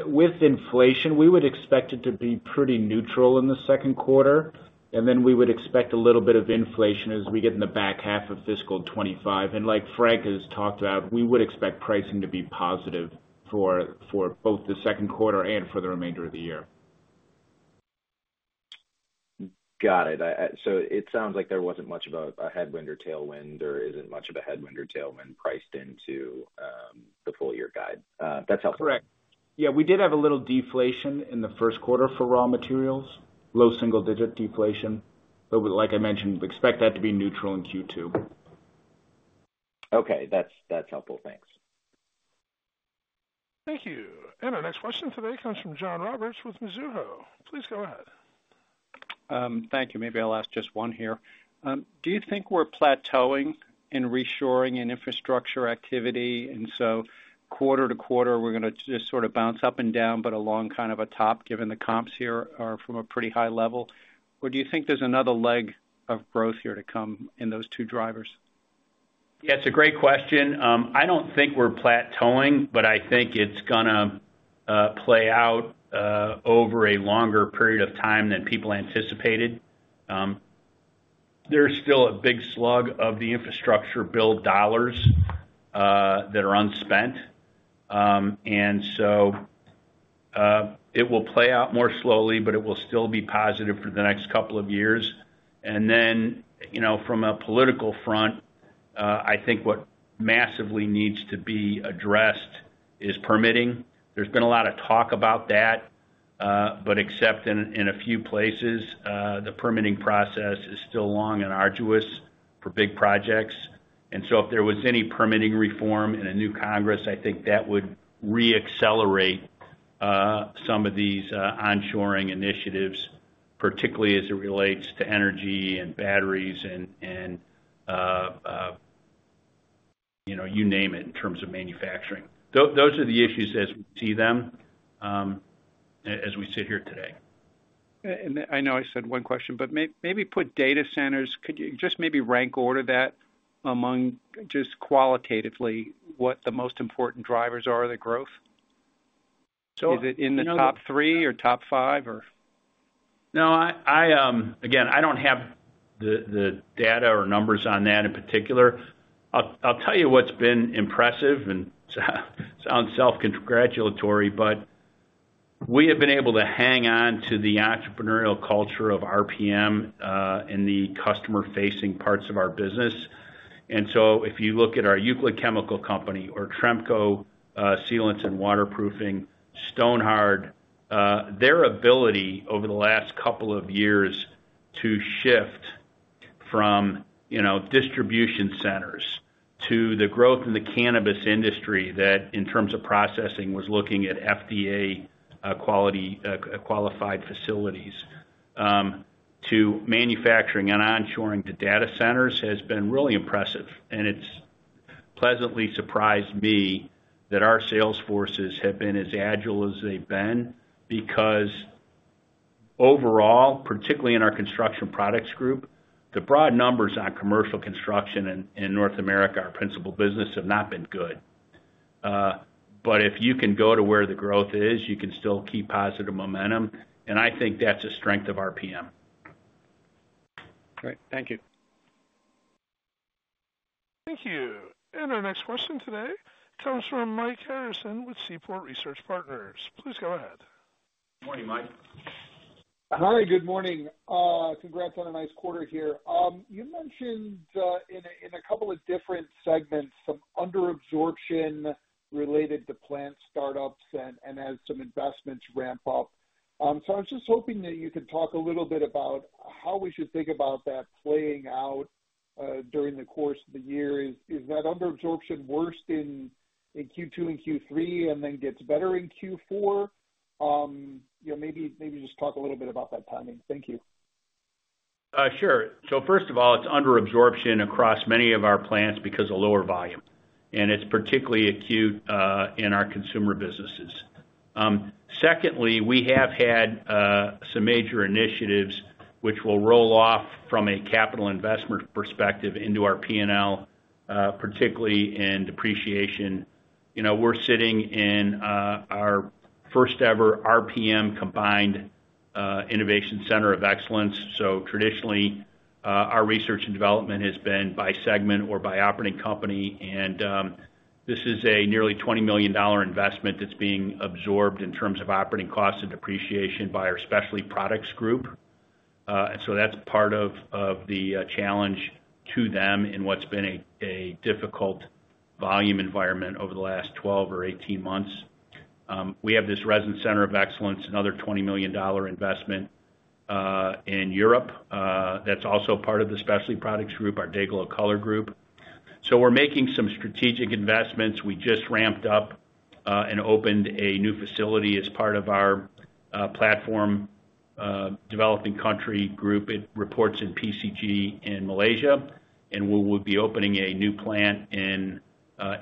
S5: with inflation, we would expect it to be pretty neutral in the second quarter, and then we would expect a little bit of inflation as we get in the back half of fiscal twenty-five. And like Frank has talked about, we would expect pricing to be positive for both the second quarter and for the remainder of the year. Got it. So it sounds like there wasn't much of a headwind or tailwind, or isn't much of a headwind or tailwind priced into the full year guide. That's helpful.
S3: Correct. Yeah, we did have a little deflation in the first quarter for raw materials, low single-digit deflation. But like I mentioned, we expect that to be neutral in Q2. Okay, that's, that's helpful. Thanks.
S1: Thank you. And our next question today comes from John Roberts with Mizuho. Please go ahead.
S11: Thank you. Maybe I'll ask just one here. Do you think we're plateauing in reshoring and infrastructure activity, and so quarter to quarter, we're gonna just sort of bounce up and down, but along kind of a top, given the comps here are from a pretty high level? Or do you think there's another leg of growth here to come in those two drivers?
S3: Yeah, it's a great question. I don't think we're plateauing, but I think it's gonna play out over a longer period of time than people anticipated. There's still a big slug of the infrastructure build dollars that are unspent. It will play out more slowly, but it will still be positive for the next couple of years. And then, you know, from a political front, I think what massively needs to be addressed is permitting. There's been a lot of talk about that, but except in a few places, the permitting process is still long and arduous for big projects. And so if there was any permitting reform in a new Congress, I think that would reaccelerate some of these onshoring initiatives, particularly as it relates to energy and batteries and you know, you name it, in terms of manufacturing. Those are the issues as we see them, as we sit here today.
S11: I know I said one question, but maybe put data centers, could you just maybe rank order that among just qualitatively, what the most important drivers are of the growth?
S3: So. Is it in the top three or top five, or? No, again, I don't have the data or numbers on that in particular. I'll tell you what's been impressive and sound self-congratulatory, but we have been able to hang on to the entrepreneurial culture of RPM in the customer-facing parts of our business. And so if you look at our Euclid Chemical Company or Tremco Sealants and Waterproofing, Stonhard, their ability over the last couple of years to shift from, you know, distribution centers to the growth in the cannabis industry, that in terms of processing, was looking at FDA quality qualified facilities to manufacturing and onshoring the data centers, has been really impressive. It's pleasantly surprised me that our sales forces have been as agile as they've been, because overall, particularly in our Construction Products Group, the broad numbers on commercial construction in North America, our principal business, have not been good. But if you can go to where the growth is, you can still keep positive momentum, and I think that's a strength of RPM.
S11: Great. Thank you.
S1: Thank you. And our next question today comes from Mike Harrison with Seaport Research Partners. Please go ahead.
S3: Morning, Mike.
S12: Hi, good morning. Congrats on a nice quarter here. You mentioned in a couple of different segments some underabsorption related to plant startups and as some investments ramp up. So I was just hoping that you could talk a little bit about how we should think about that playing out during the course of the year. Is that underabsorption worse in Q2 and Q3, and then gets better in Q4? You know, maybe just talk a little bit about that timing. Thank you.
S3: Sure. So first of all, it's underabsorption across many of our plants because of lower volume, and it's particularly acute in our consumer businesses. Secondly, we have had some major initiatives which will roll off from a capital investment perspective into our P&L, particularly in depreciation. You know, we're sitting in our first-ever RPM combined Innovation Center of Excellence. So traditionally, our research and development has been by segment or by operating company, and this is a nearly $20 million investment that's being absorbed in terms of operating costs and depreciation by our Specialty Products Group. And so that's part of the challenge to them in what's been a difficult volume environment over the last 12 or 18 months. We have this Resin Center of Excellence, another $20 million investment, in Europe, that's also part of the Specialty Products Group, our DayGlo Color Group. So we're making some strategic investments. We just ramped up and opened a new facility as part of our platform developing country group. It reports in PCG in Malaysia, and we will be opening a new plant in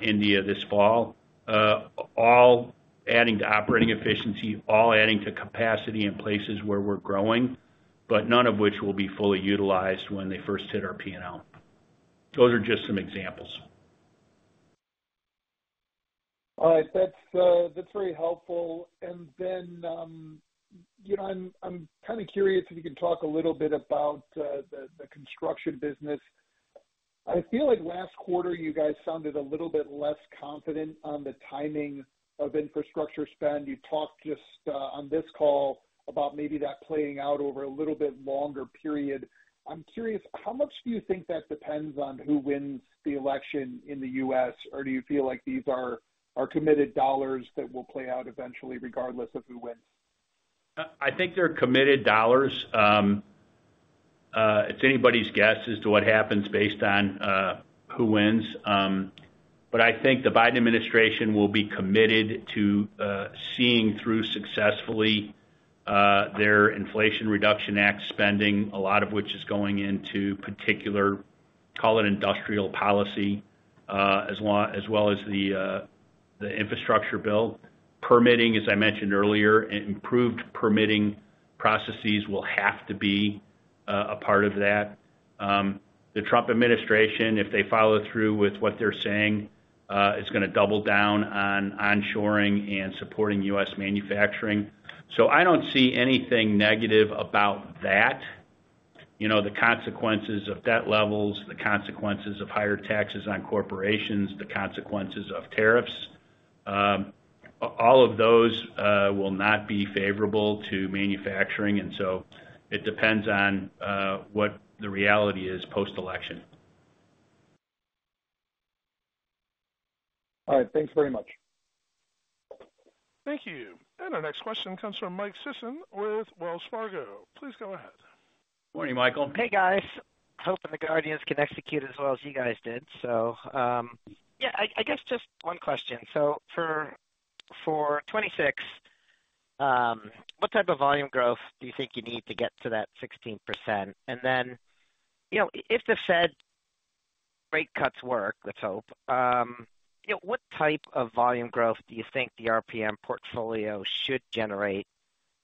S3: India this fall. All adding to operating efficiency, all adding to capacity in places where we're growing, but none of which will be fully utilized when they first hit our P&L. Those are just some examples.
S12: All right. That's, that's very helpful. And then, you know, I'm kind of curious if you can talk a little bit about the construction business. I feel like last quarter, you guys sounded a little bit less confident on the timing of infrastructure spend. You talked just on this call about maybe that playing out over a little bit longer period. I'm curious, how much do you think that depends on who wins the election in the US, or do you feel like these are committed dollars that will play out eventually, regardless of who wins?
S3: I think they're committed dollars. It's anybody's guess as to what happens based on who wins. But I think the Biden administration will be committed to seeing through successfully their Inflation Reduction Act spending, a lot of which is going into particular, call it industrial policy, as well as the infrastructure bill. Permitting, as I mentioned earlier, improved permitting processes will have to be a part of that. The Trump administration, if they follow through with what they're saying, is gonna double down on onshoring and supporting U.S. manufacturing. So I don't see anything negative about that. You know, the consequences of debt levels, the consequences of higher taxes on corporations, the consequences of tariffs, all of those, will not be favorable to manufacturing, and so it depends on what the reality is post-election.
S12: All right, thanks very much.
S1: Thank you, and our next question comes from Mike Sisson with Wells Fargo. Please go ahead.
S3: Morning, Michael.
S13: Hey, guys. Hoping the Guardians can execute as well as you guys did. So, yeah, I guess just one question. So for twenty-six, what type of volume growth do you think you need to get to that 16%? And then, you know, if the Fed rate cuts work, let's hope, you know, what type of volume growth do you think the RPM portfolio should generate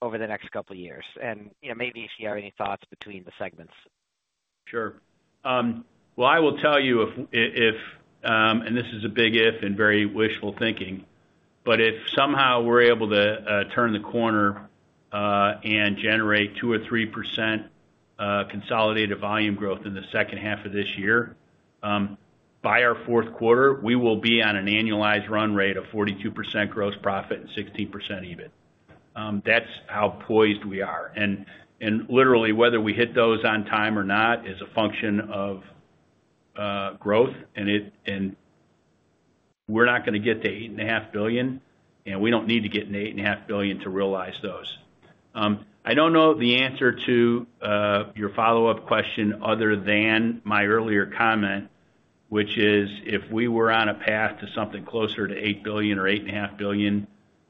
S13: over the next couple of years? And, you know, maybe if you have any thoughts between the segments.
S3: Sure. Well, I will tell you if, and this is a big if and very wishful thinking, but if somehow we're able to turn the corner and generate 2% or 3% consolidated volume growth in the second half of this year, by our fourth quarter, we will be on an annualized run rate of 42% gross profit and 16% EBIT. That's how poised we are. And literally, whether we hit those on time or not is a function of growth, and we're not gonna get to $8.5 billion, and we don't need to get to $8.5 billion to realize those. I don't know the answer to your follow-up question other than my earlier comment, which is if we were on a path to something closer to $8 billion or $8.5 billion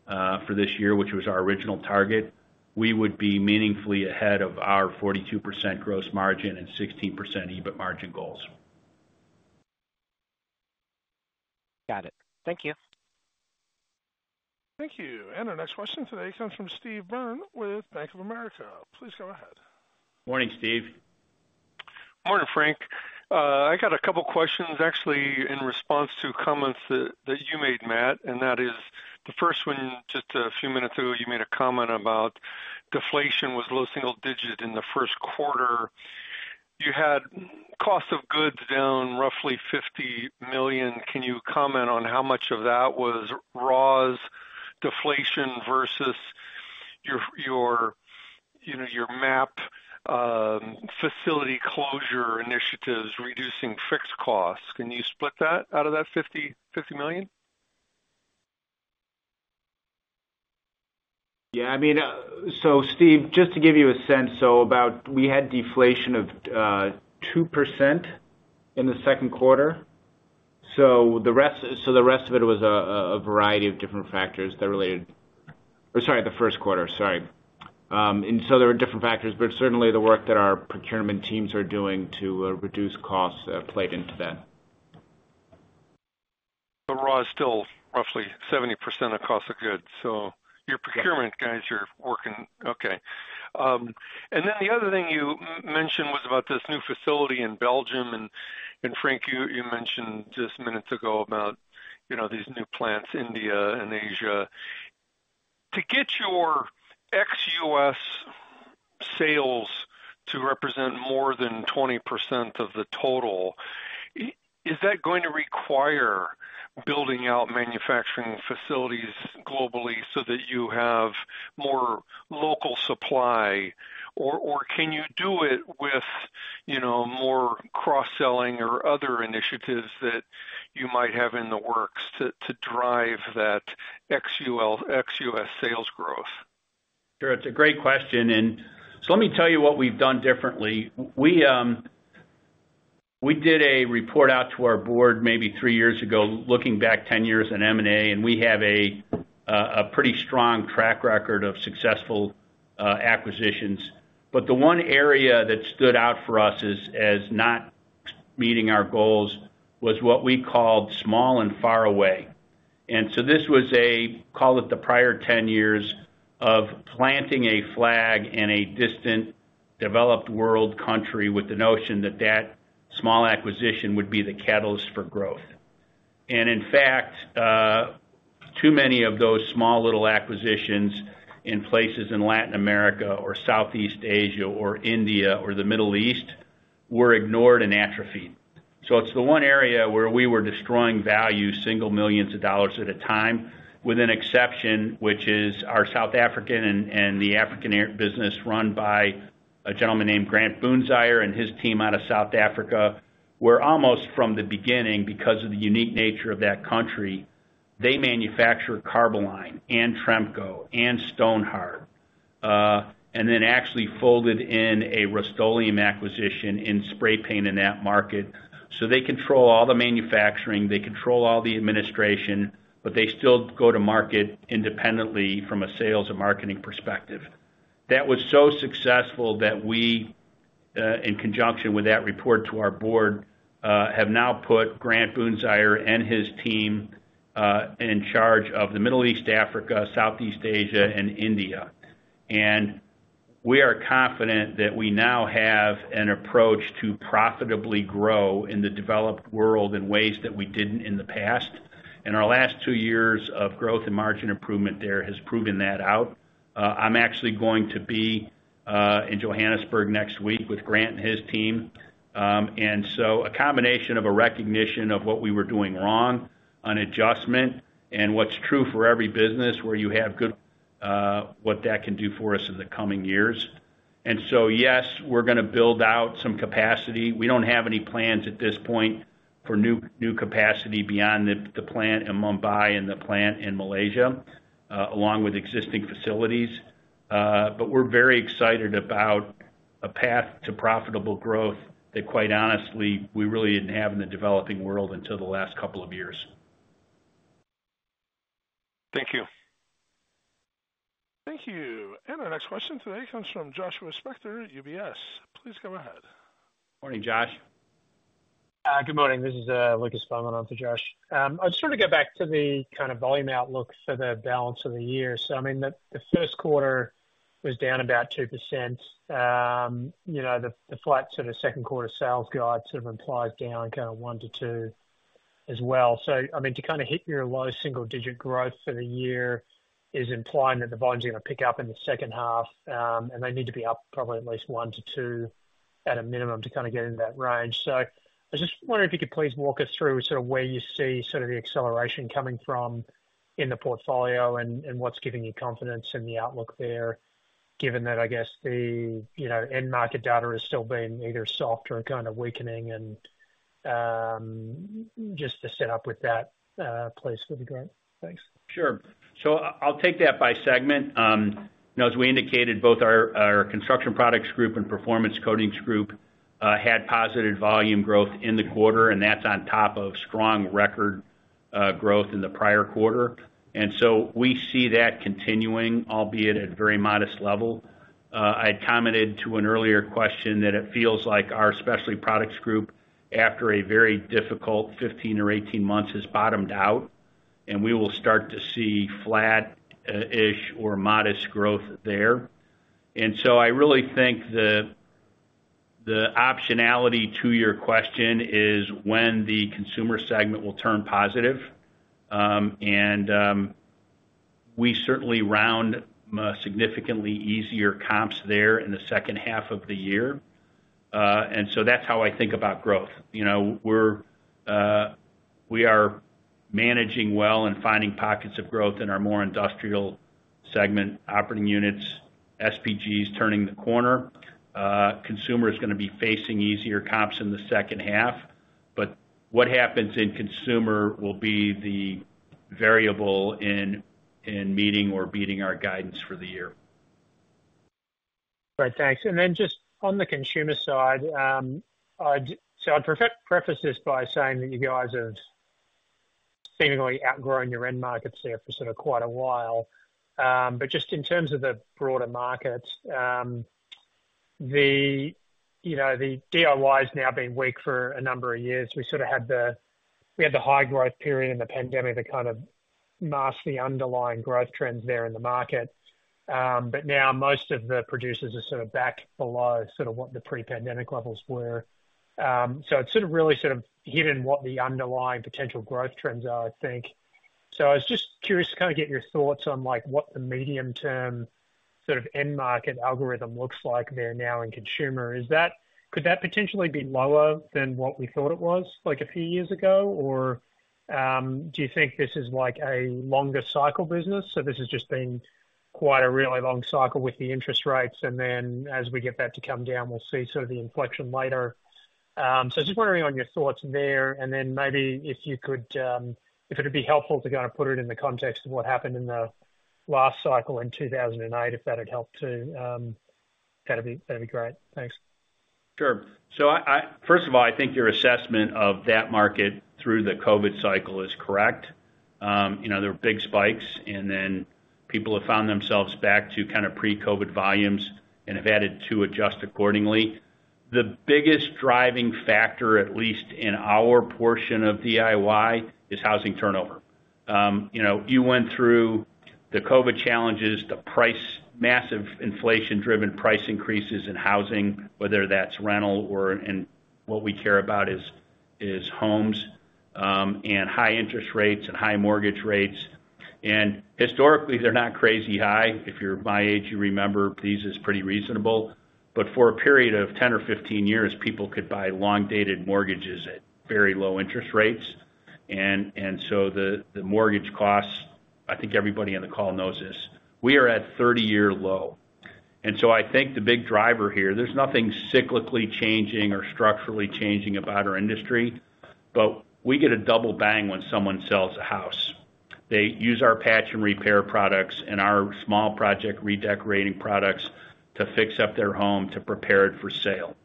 S3: for this year, which was our original target, we would be meaningfully ahead of our 42% gross margin and 16% EBIT margin goals.
S13: Got it. Thank you.
S1: Thank you. And our next question today comes from Steve Byrne with Bank of America. Please go ahead.
S3: Morning, Steve.
S14: Morning, Frank. I got a couple questions, actually, in response to comments that you made, Matt, and that is, the first one, just a few minutes ago, you made a comment about deflation was low single digit in the first quarter. You had cost of goods down roughly $50 million. Can you comment on how much of that was raws deflation versus your MAP, you know, facility closure initiatives, reducing fixed costs? Can you split that out of that $50 million?
S2: Yeah, I mean, so Steve, just to give you a sense, so about we had deflation of 2% in the second quarter, so the rest, so the rest of it was a variety of different factors that related. Or sorry, the first quarter. Sorry. And so there were different factors, but certainly the work that our procurement teams are doing to reduce costs played into that.
S14: The raw is still roughly 70% of cost of goods, so your procurement guys are working okay. And then the other thing you mentioned was about this new facility in Belgium. And Frank, you mentioned just minutes ago about, you know, these new plants, India and Asia. To get your ex-U.S. sales to represent more than 20% of the total, is that going to require building out manufacturing facilities globally so that you have more local supply, or can you do it with, you know, more cross-selling or other initiatives that you might have in the works to drive that ex-U.S. sales growth?
S3: Sure. It's a great question, and so let me tell you what we've done differently. We, we did a report out to our board maybe three years ago, looking back ten years on M&A, and we have a, a pretty strong track record of successful, acquisitions. But the one area that stood out for us is, as not meeting our goals, was what we called small and far away. And so this was a, call it the prior ten years of planting a flag in a distant, developed world country with the notion that that small acquisition would be the catalyst for growth. And in fact, too many of those small, little acquisitions in places in Latin America or Southeast Asia or India or the Middle East, were ignored and atrophied. It's the one area where we were destroying value, single millions of dollars at a time, with an exception, which is our South African and the African area business run by a gentleman named Grant Boonzaier and his team out of South Africa, where almost from the beginning, because of the unique nature of that country, they manufacture Carboline and Tremco and Stonhard, and then actually folded in a Rust-Oleum acquisition in spray paint in that market. They control all the manufacturing, they control all the administration, but they still go to market independently from a sales and marketing perspective. That was so successful that we, in conjunction with that report to our board, have now put Grant Boonzaier and his team in charge of the Middle East, Africa, Southeast Asia, and India. We are confident that we now have an approach to profitably grow in the developed world in ways that we didn't in the past. Our last two years of growth and margin improvement there has proven that out. I'm actually going to be in Johannesburg next week with Grant and his team. And so a combination of a recognition of what we were doing wrong, an adjustment, and what's true for every business where you have good, what that can do for us in the coming years. Yes, we're gonna build out some capacity. We don't have any plans at this point for new capacity beyond the plant in Mumbai and the plant in Malaysia, along with existing facilities. But we're very excited about a path to profitable growth that, quite honestly, we really didn't have in the developing world until the last couple of years.
S14: Thank you.
S1: Thank you. Our next question today comes from Joshua Spector, UBS. Please go ahead.
S3: Morning, Josh.
S15: Good morning. This is Lucas Feldman in for Josh. I just wanna get back to the kind of volume outlook for the balance of the year. So I mean, the first quarter was down about 2%. You know, the flat sort of second quarter sales guide sort of implies down kind of 1%-2% as well. So I mean, to kind of hit your low single-digit growth for the year is implying that the volume is gonna pick up in the second half, and they need to be up probably at least 1%-2% at a minimum to kind of get into that range. I just wondered if you could please walk us through sort of where you see sort of the acceleration coming from in the portfolio, and what's giving you confidence in the outlook there, given that, I guess, the, you know, end market data is still being either soft or kind of weakening, and just to set up with that, place would be great. Thanks.
S3: Sure. So I'll take that by segment. You know, as we indicated, both our Construction Products Group and Performance Coatings Group had positive volume growth in the quarter, and that's on top of strong record growth in the prior quarter. And so we see that continuing, albeit at a very modest level. I commented to an earlier question that it feels like our Specialty Products Group, after a very difficult 15 or 18 months, has bottomed out, and we will start to see flat-ish or modest growth there. And so I really think the optionality to your question is when the consumer segment will turn positive. And we certainly round significantly easier comps there in the second half of the year. And so that's how I think about growth. You know, we are managing well and finding pockets of growth in our more industrial segment, operating units. SPG is turning the corner. Consumer is gonna be facing easier comps in the second half, but what happens in consumer will be the variable in meeting or beating our guidance for the year.
S15: Great, thanks. And then just on the consumer side, I'd preface this by saying that you guys have seemingly outgrown your end markets there for sort of quite a while. But just in terms of the broader markets, you know, the DIY has now been weak for a number of years. We had the high growth period in the pandemic, that kind of masked the underlying growth trends there in the market. But now most of the producers are sort of back below what the pre-pandemic levels were. So it's sort of really hidden what the underlying potential growth trends are, I think. So I was just curious to kind of get your thoughts on, like, what the medium-term sort of end market algorithm looks like there now in consumer. Could that potentially be lower than what we thought it was, like a few years ago? Or do you think this is like a longer cycle business? So this has just been quite a really long cycle with the interest rates, and then as we get that to come down, we'll see sort of the inflection later. So just wondering on your thoughts there, and then maybe if you could, if it'd be helpful to kind of put it in the context of what happened in the last cycle in 2008, if that would help too, that'd be great. Thanks.
S3: Sure. So first of all, I think your assessment of that market through the COVID cycle is correct. You know, there were big spikes, and then people have found themselves back to kind of pre-COVID volumes and have had to adjust accordingly. The biggest driving factor, at least in our portion of DIY, is housing turnover. You know, you went through the COVID challenges, the price... Massive inflation-driven price increases in housing, whether that's rental or, and what we care about is homes, and high interest rates and high mortgage rates. And historically, they're not crazy high. If you're my age, you remember these as pretty reasonable, but for a period of 10 or 15 years, people could buy long-dated mortgages at very low interest rates. And so the mortgage costs, I think everybody on the call knows this, we are at a thirty-year low. And so I think the big driver here, there's nothing cyclically changing or structurally changing about our industry, but we get a double bang when someone sells a house. They use our patch and repair products and our small project redecorating products to fix up their home, to prepare it for sale.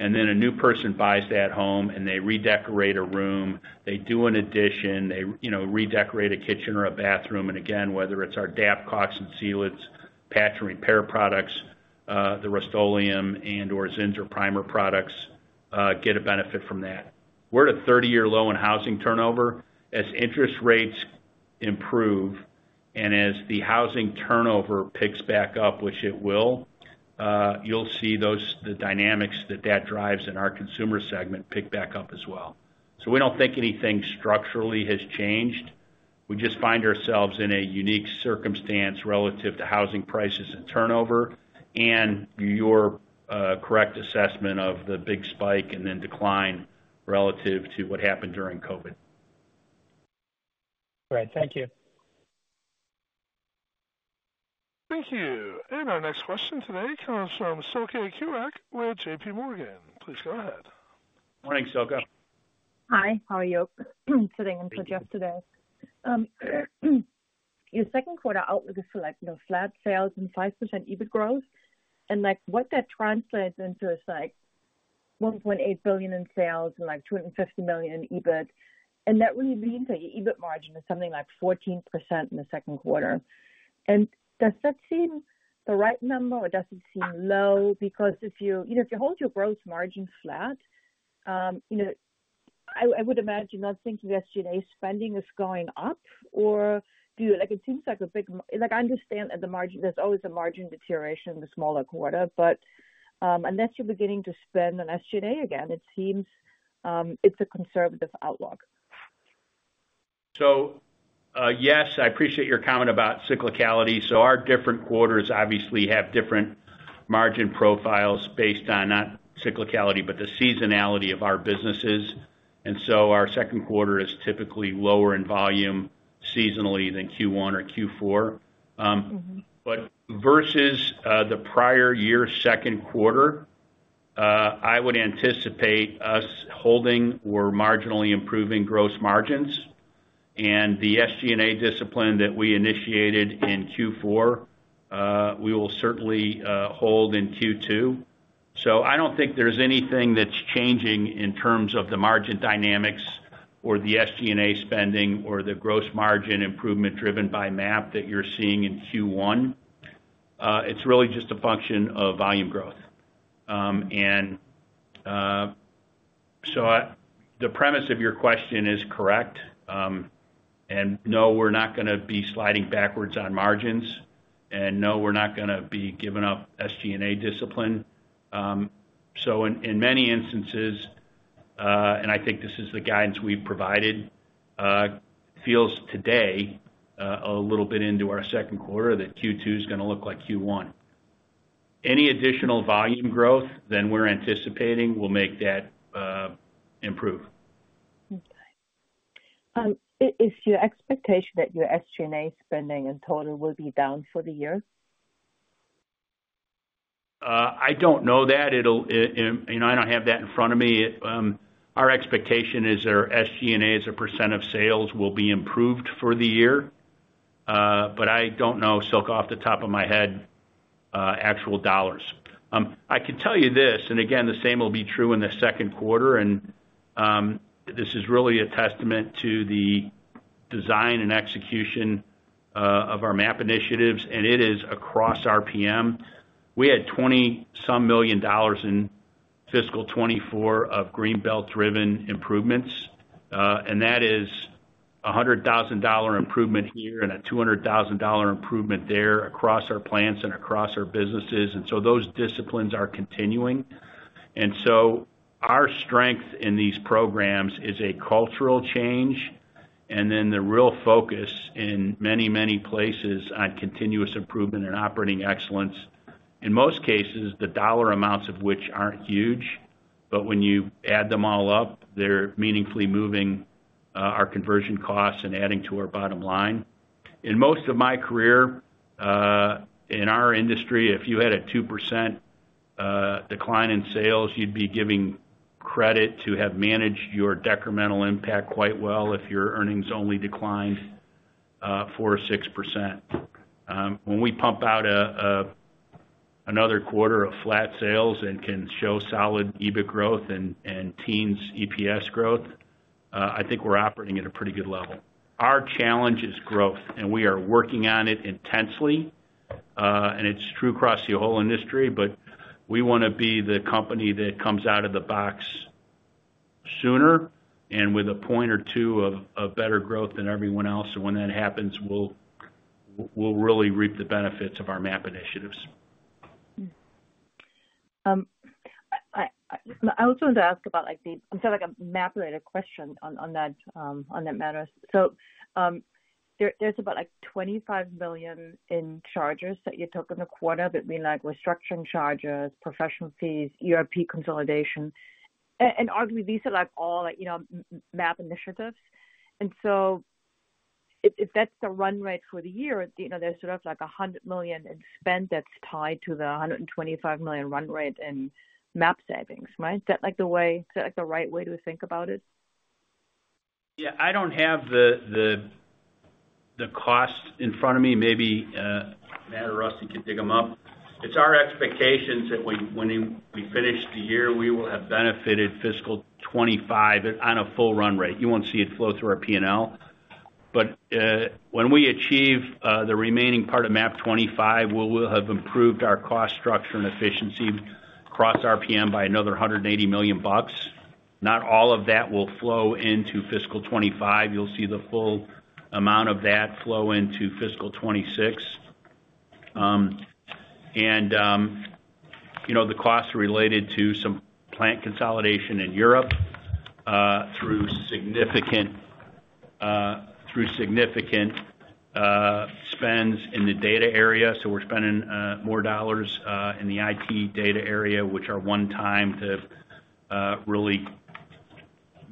S3: And then a new person buys that home, and they redecorate a room, they do an addition, they, you know, redecorate a kitchen or a bathroom, and again, whether it's our DAP, caulk and sealants, patch and repair products, the Rust-Oleum and or Zinsser primer products, get a benefit from that. We're at a thirty-year low in housing turnover. As interest rates improve and as the housing turnover picks back up, which it will-... You'll see those, the dynamics that drives in our consumer segment pick back up as well. So we don't think anything structurally has changed. We just find ourselves in a unique circumstance relative to housing prices and turnover, and your correct assessment of the big spike and then decline relative to what happened during COVID.
S15: Great, thank you.
S1: Thank you. And our next question today comes from Silke Kueck with JP Morgan. Please go ahead.
S3: Morning, Silke.
S16: Hi, how are you? Sitting in for Jeff today. Your second quarter outlook is for, like, you know, flat sales and 5% EBIT growth. And, like, what that translates into is like $1.8 billion in sales and, like, $250 million in EBIT. And that really means that your EBIT margin is something like 14% in the second quarter. And does that seem the right number, or does it seem low? Because if you, you know, if you hold your gross margin flat, you know, I would imagine not thinking SG&A spending is going up or like, it seems like, I understand that the margin. There's always a margin deterioration in the smaller quarter, but, unless you're beginning to spend on SG&A again, it seems, it's a conservative outlook.
S3: Yes, I appreciate your comment about cyclicality. So our different quarters obviously have different margin profiles based on not cyclicality, but the seasonality of our businesses. And so our second quarter is typically lower in volume seasonally than Q1 or Q4. But versus the prior year's second quarter, I would anticipate us holding or marginally improving gross margins. And the SG&A discipline that we initiated in Q4, we will certainly hold in Q2. So I don't think there's anything that's changing in terms of the margin dynamics or the SG&A spending or the gross margin improvement driven by MAP that you're seeing in Q1. It's really just a function of volume growth. And so the premise of your question is correct. And no, we're not gonna be sliding backwards on margins, and no, we're not gonna be giving up SG&A discipline. So in many instances, and I think this is the guidance we've provided, feels today a little bit into our second quarter, that Q2 is gonna look like Q1. Any additional volume growth than we're anticipating will make that improve.
S16: Okay. Is your expectation that your SG&A spending in total will be down for the year?
S3: I don't know that. It'll, you know, I don't have that in front of me. Our expectation is our SG&A, as a % of sales, will be improved for the year. But I don't know, Silke, off the top of my head, actual dollars. I can tell you this, and again, the same will be true in the second quarter, and this is really a testament to the design and execution of our MAP initiatives, and it is across RPM. We had $20-some million in fiscal 2024 of Green Belt-driven improvements, and that is a $100,000 improvement here and a $200,000 improvement there across our plants and across our businesses, and so those disciplines are continuing. And so our strength in these programs is a cultural change, and then the real focus in many, many places on continuous improvement and operating excellence. In most cases, the dollar amounts of which aren't huge, but when you add them all up, they're meaningfully moving our conversion costs and adding to our bottom line. In most of my career, in our industry, if you had a 2% decline in sales, you'd be giving credit to have managed your decremental impact quite well, if your earnings only declined 4% or 6%. When we pump out another quarter of flat sales and can show solid EBIT growth and teens EPS growth, I think we're operating at a pretty good level. Our challenge is growth, and we are working on it intensely, and it's true across the whole industry, but we wanna be the company that comes out of the box sooner and with a point or two of better growth than everyone else. So when that happens, we'll really reap the benefits of our MAP initiatives.
S16: I also wanted to ask about like a MAP-related question on that matter. So, there's about like $25 million in charges that you took in the quarter. That mean like restructuring charges, professional fees, ERP consolidation. And arguably, these are like all like you know MAP initiatives. And so if that's the run rate for the year, you know, there's sort of like $100 million in spend that's tied to the $125 million run rate in MAP savings. Right? Is that like the way is that like the right way to think about it?
S3: Yeah, I don't have the cost in front of me. Maybe Matt or Rusty can dig them up. It's our expectations that we, when we finish the year, we will have benefited fiscal 2025 on a full run rate. You won't see it flow through our P&L. But when we achieve the remaining part of MAP 2025, we will have improved our cost structure and efficiency across RPM by another $180 million. Not all of that will flow into fiscal 2025. You'll see the full amount of that flow into fiscal 2026. And you know, the costs are related to some plant consolidation in Europe through significant spends in the data area. We're spending more dollars in the IT data area, which are one-time to really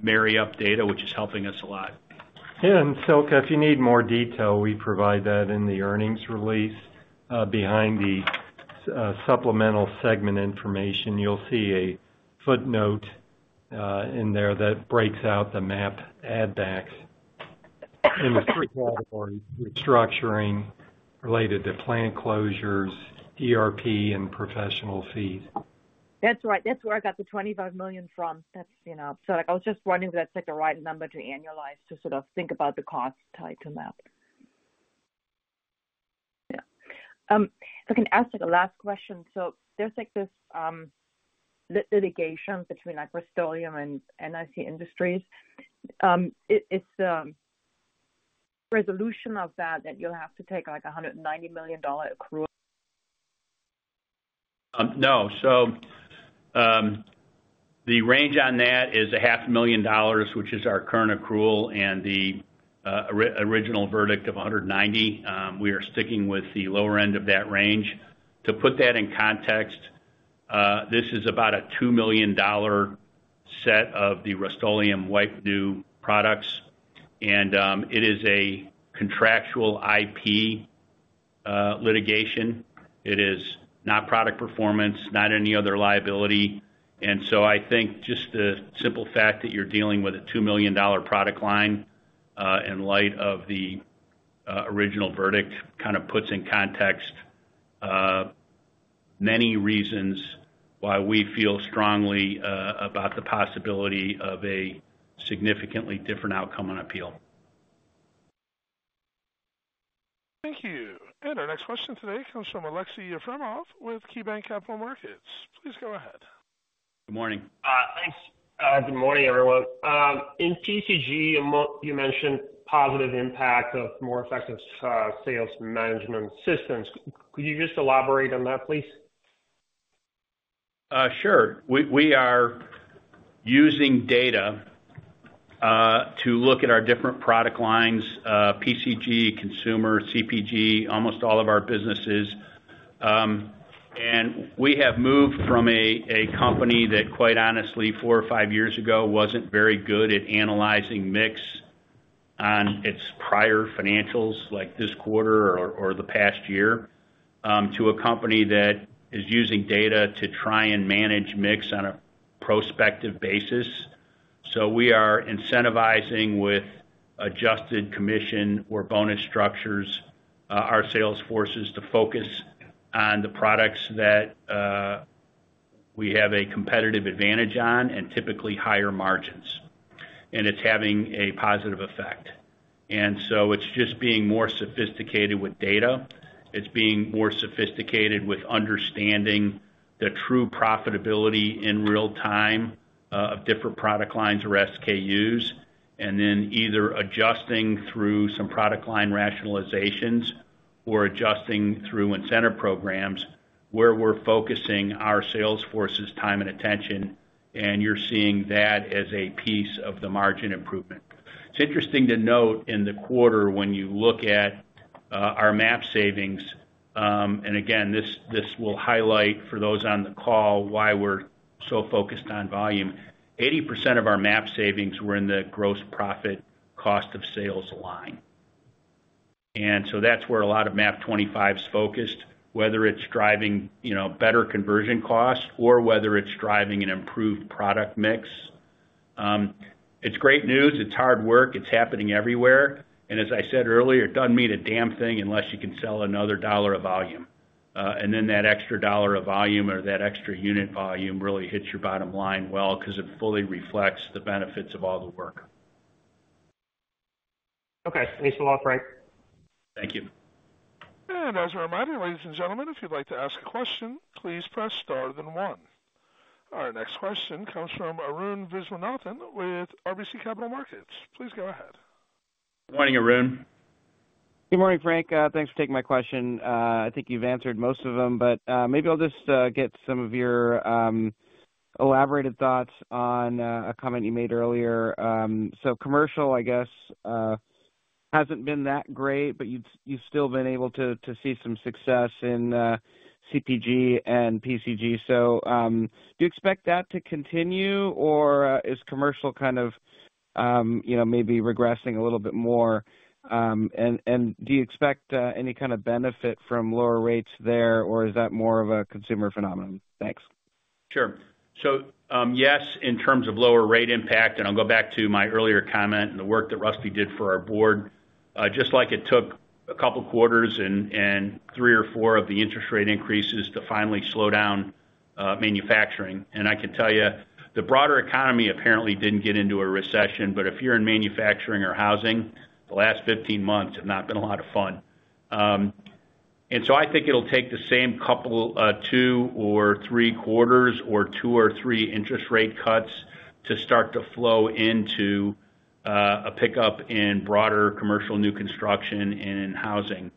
S3: marry up data, which is helping us a lot.
S5: Yeah, and Silke, if you need more detail, we provide that in the earnings release. Behind the supplemental segment information, you'll see a footnote in there that breaks out the MAP add backs in the three categories: restructuring related to plant closures, ERP, and professional fees.
S16: That's right. That's where I got the 25 million from. That's, you know, so I was just wondering if that's, like, the right number to annualize, to sort of think about the cost tied to MAP. Yeah. I can ask, like, a last question. So there's, like, this litigation between, like, Rust-Oleum and NIC Industries. Is resolution of that, that you'll have to take, like, a $190 million accrual?
S3: No. So, the range on that is $500,000, which is our current accrual and the original verdict of $190,000. We are sticking with the lower end of that range. To put that in context, this is about a $2 million set of the Rust-Oleum Wipe New products, and it is a contractual IP litigation. It is not product performance, not any other liability. And so I think just the simple fact that you're dealing with a $2 million product line, in light of the original verdict, kind of puts in context many reasons why we feel strongly about the possibility of a significantly different outcome on appeal.
S1: Thank you. And our next question today comes from Alexey Efremov with KeyBank Capital Markets. Please go ahead.
S3: Good morning.
S17: Thanks. Good morning, everyone. In PCG, you mentioned positive impact of more effective sales management systems. Could you just elaborate on that, please?
S3: Sure. We are using data to look at our different product lines, PCG, Consumer, CPG, almost all of our businesses, and we have moved from a company that, quite honestly, four or five years ago, wasn't very good at analyzing mix on its prior financials, like this quarter or the past year, to a company that is using data to try and manage mix on a prospective basis, so we are incentivizing with adjusted commission or bonus structures our sales forces to focus on the products that we have a competitive advantage on and typically higher margins, and it's having a positive effect, and so it's just being more sophisticated with data. It's being more sophisticated with understanding the true profitability in real time of different product lines or SKUs, and then either adjusting through some product line rationalizations or adjusting through incentive programs, where we're focusing our sales forces' time and attention, and you're seeing that as a piece of the margin improvement. It's interesting to note in the quarter, when you look at our MAP savings. And again, this, this will highlight for those on the call, why we're so focused on volume. 80% of our MAP savings were in the gross profit cost of sales line. And so that's where a lot of MAP 2025 is focused, whether it's driving, you know, better conversion costs or whether it's driving an improved product mix. It's great news. It's hard work. It's happening everywhere, and as I said earlier, it doesn't mean a damn thing unless you can sell another dollar of volume, and then that extra dollar of volume or that extra unit volume really hits your bottom line well, because it fully reflects the benefits of all the work.
S17: Okay, thanks a lot, Frank.
S3: Thank you.
S1: As a reminder, ladies and gentlemen, if you'd like to ask a question, please press star then one. Our next question comes from Arun Viswanathan with RBC Capital Markets. Please go ahead.
S3: Morning, Arun.
S18: Good morning, Frank. Thanks for taking my question. I think you've answered most of them, but maybe I'll just get some of your elaborated thoughts on a comment you made earlier. So commercial, I guess, hasn't been that great, but you've still been able to see some success in CPG and PCG. So, do you expect that to continue, or is commercial kind of, you know, maybe regressing a little bit more? And, do you expect any kind of benefit from lower rates there, or is that more of a consumer phenomenon? Thanks.
S3: Sure. So, yes, in terms of lower rate impact, and I'll go back to my earlier comment and the work that Rusty did for our board. Just like it took a couple of quarters and three or four of the interest rate increases to finally slow down manufacturing. And I can tell you, the broader economy apparently didn't get into a recession, but if you're in manufacturing or housing, the last 15 months have not been a lot of fun. And so I think it'll take the same couple, two or three quarters or two or three interest rate cuts to start to flow into a pickup in broader commercial new construction and in housing.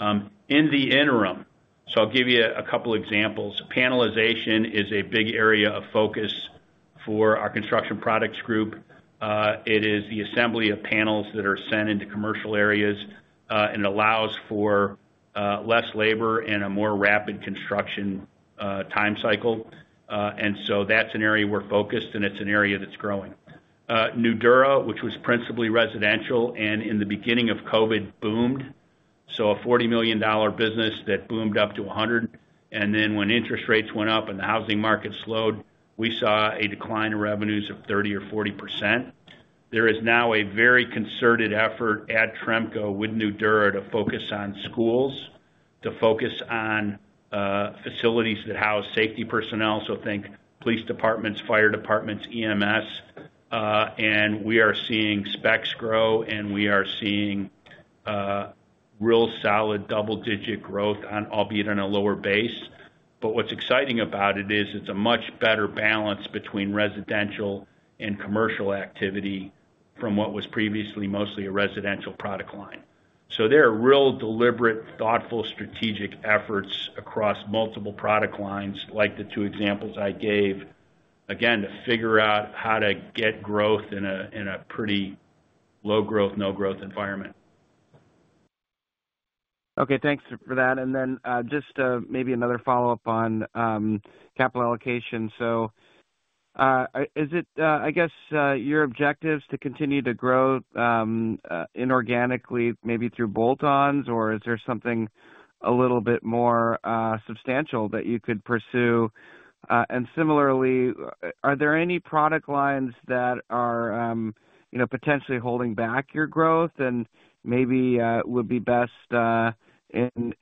S3: In the interim, so I'll give you a couple examples. Panelization is a big area of focus for our Construction Products Group. It is the assembly of panels that are sent into commercial areas and allows for less labor and a more rapid construction time cycle. And so that's an area we're focused, and it's an area that's growing. Nudura, which was principally residential, and in the beginning of COVID, boomed. So a $40 million business that boomed up to $100 million, and then when interest rates went up and the housing market slowed, we saw a decline in revenues of 30% or 40%. There is now a very concerted effort at Tremco with Nudura to focus on schools, to focus on facilities that house safety personnel, so think police departments, fire departments, EMS. And we are seeing specs grow, and we are seeing real solid double-digit growth, albeit on a lower base. But what's exciting about it is it's a much better balance between residential and commercial activity from what was previously mostly a residential product line. So there are real deliberate, thoughtful, strategic efforts across multiple product lines, like the two examples I gave, again, to figure out how to get growth in a pretty low growth, no growth environment.
S18: Okay, thanks for that. And then, just, maybe another follow-up on capital allocation. So, is it, I guess, your objective is to continue to grow inorganically, maybe through bolt-ons, or is there something a little bit more substantial that you could pursue? And similarly, are there any product lines that are, you know, potentially holding back your growth and maybe would be best in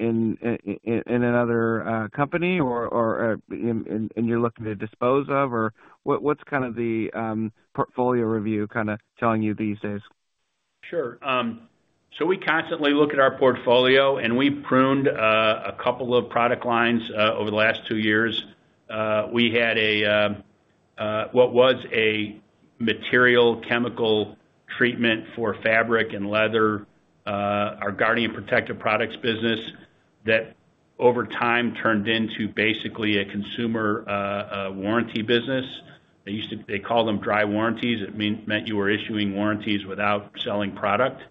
S18: another company or and you're looking to dispose of? Or what's kind of the portfolio review kinda telling you these days?
S3: Sure. So we constantly look at our portfolio, and we pruned a couple of product lines over the last two years. We had a what was a material chemical treatment for fabric and leather, our Guardian Protection Products business, that over time, turned into basically a consumer warranty business. They used to-- they call them dry warranties. It meant you were issuing warranties without selling product.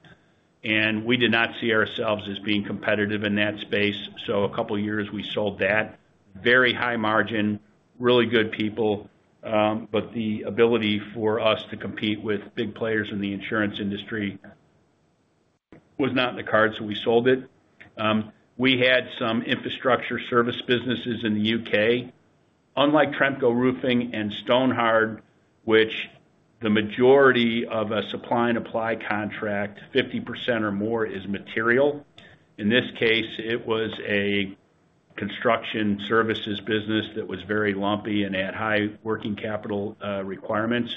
S3: And we did not see ourselves as being competitive in that space, so a couple of years, we sold that. Very high margin, really good people, but the ability for us to compete with big players in the insurance industry was not in the cards, so we sold it. We had some infrastructure service businesses in the U.K. Unlike Tremco Roofing and Stonhard, which the majority of a supply and apply contract, 50% or more is material. In this case, it was a construction services business that was very lumpy and had high working capital requirements.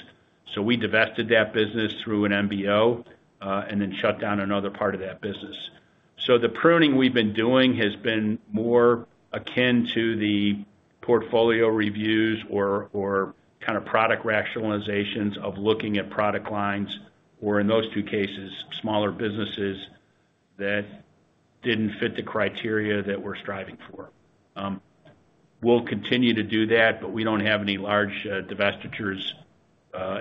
S3: So we divested that business through an MBO and then shut down another part of that business. So the pruning we've been doing has been more akin to the portfolio reviews or kind of product rationalizations of looking at product lines, or in those two cases, smaller businesses that didn't fit the criteria that we're striving for. We'll continue to do that, but we don't have any large divestitures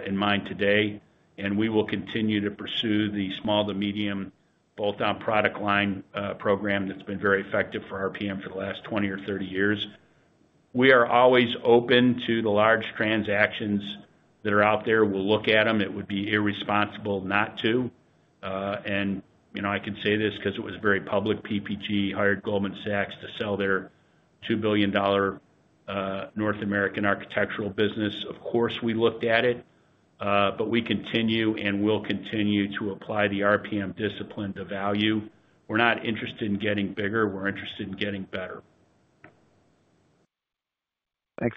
S3: in mind today, and we will continue to pursue the small to medium bolt-on product line program that's been very effective for RPM for the last 20 or 30 years. We are always open to the large transactions that are out there. We'll look at them. It would be irresponsible not to, and, you know, I can say this 'cause it was very public. PPG hired Goldman Sachs to sell their $2 billion North American architectural business. Of course, we looked at it, but we continue and will continue to apply the RPM discipline to value. We're not interested in getting bigger, we're interested in getting better.
S18: Thanks.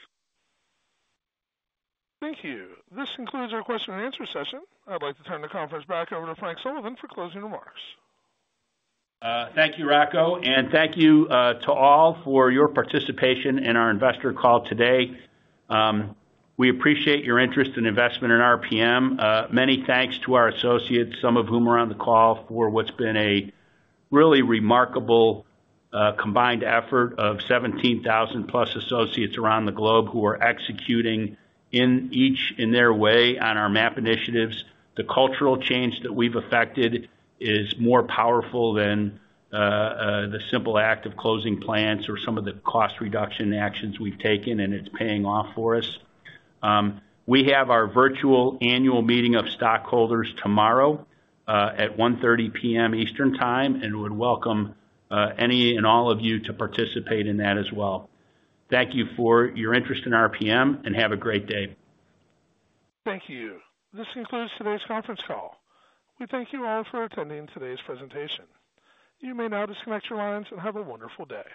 S1: Thank you. This concludes our question and answer session. I'd like to turn the conference back over to Frank Sullivan for closing remarks.
S3: Thank you, Rocco, and thank you to all for your participation in our investor call today. We appreciate your interest and investment in RPM. Many thanks to our associates, some of whom are on the call, for what's been a really remarkable combined effort of 17,000+ associates around the globe who are executing in each, in their way, on our MAP initiatives. The cultural change that we've affected is more powerful than the simple act of closing plants or some of the cost reduction actions we've taken, and it's paying off for us. We have our virtual annual meeting of stockholders tomorrow at 1:30 P.M. Eastern Time, and would welcome any and all of you to participate in that as well. Thank you for your interest in RPM, and have a great day.
S1: Thank you. This concludes today's conference call. We thank you all for attending today's presentation. You may now disconnect your lines and have a wonderful day.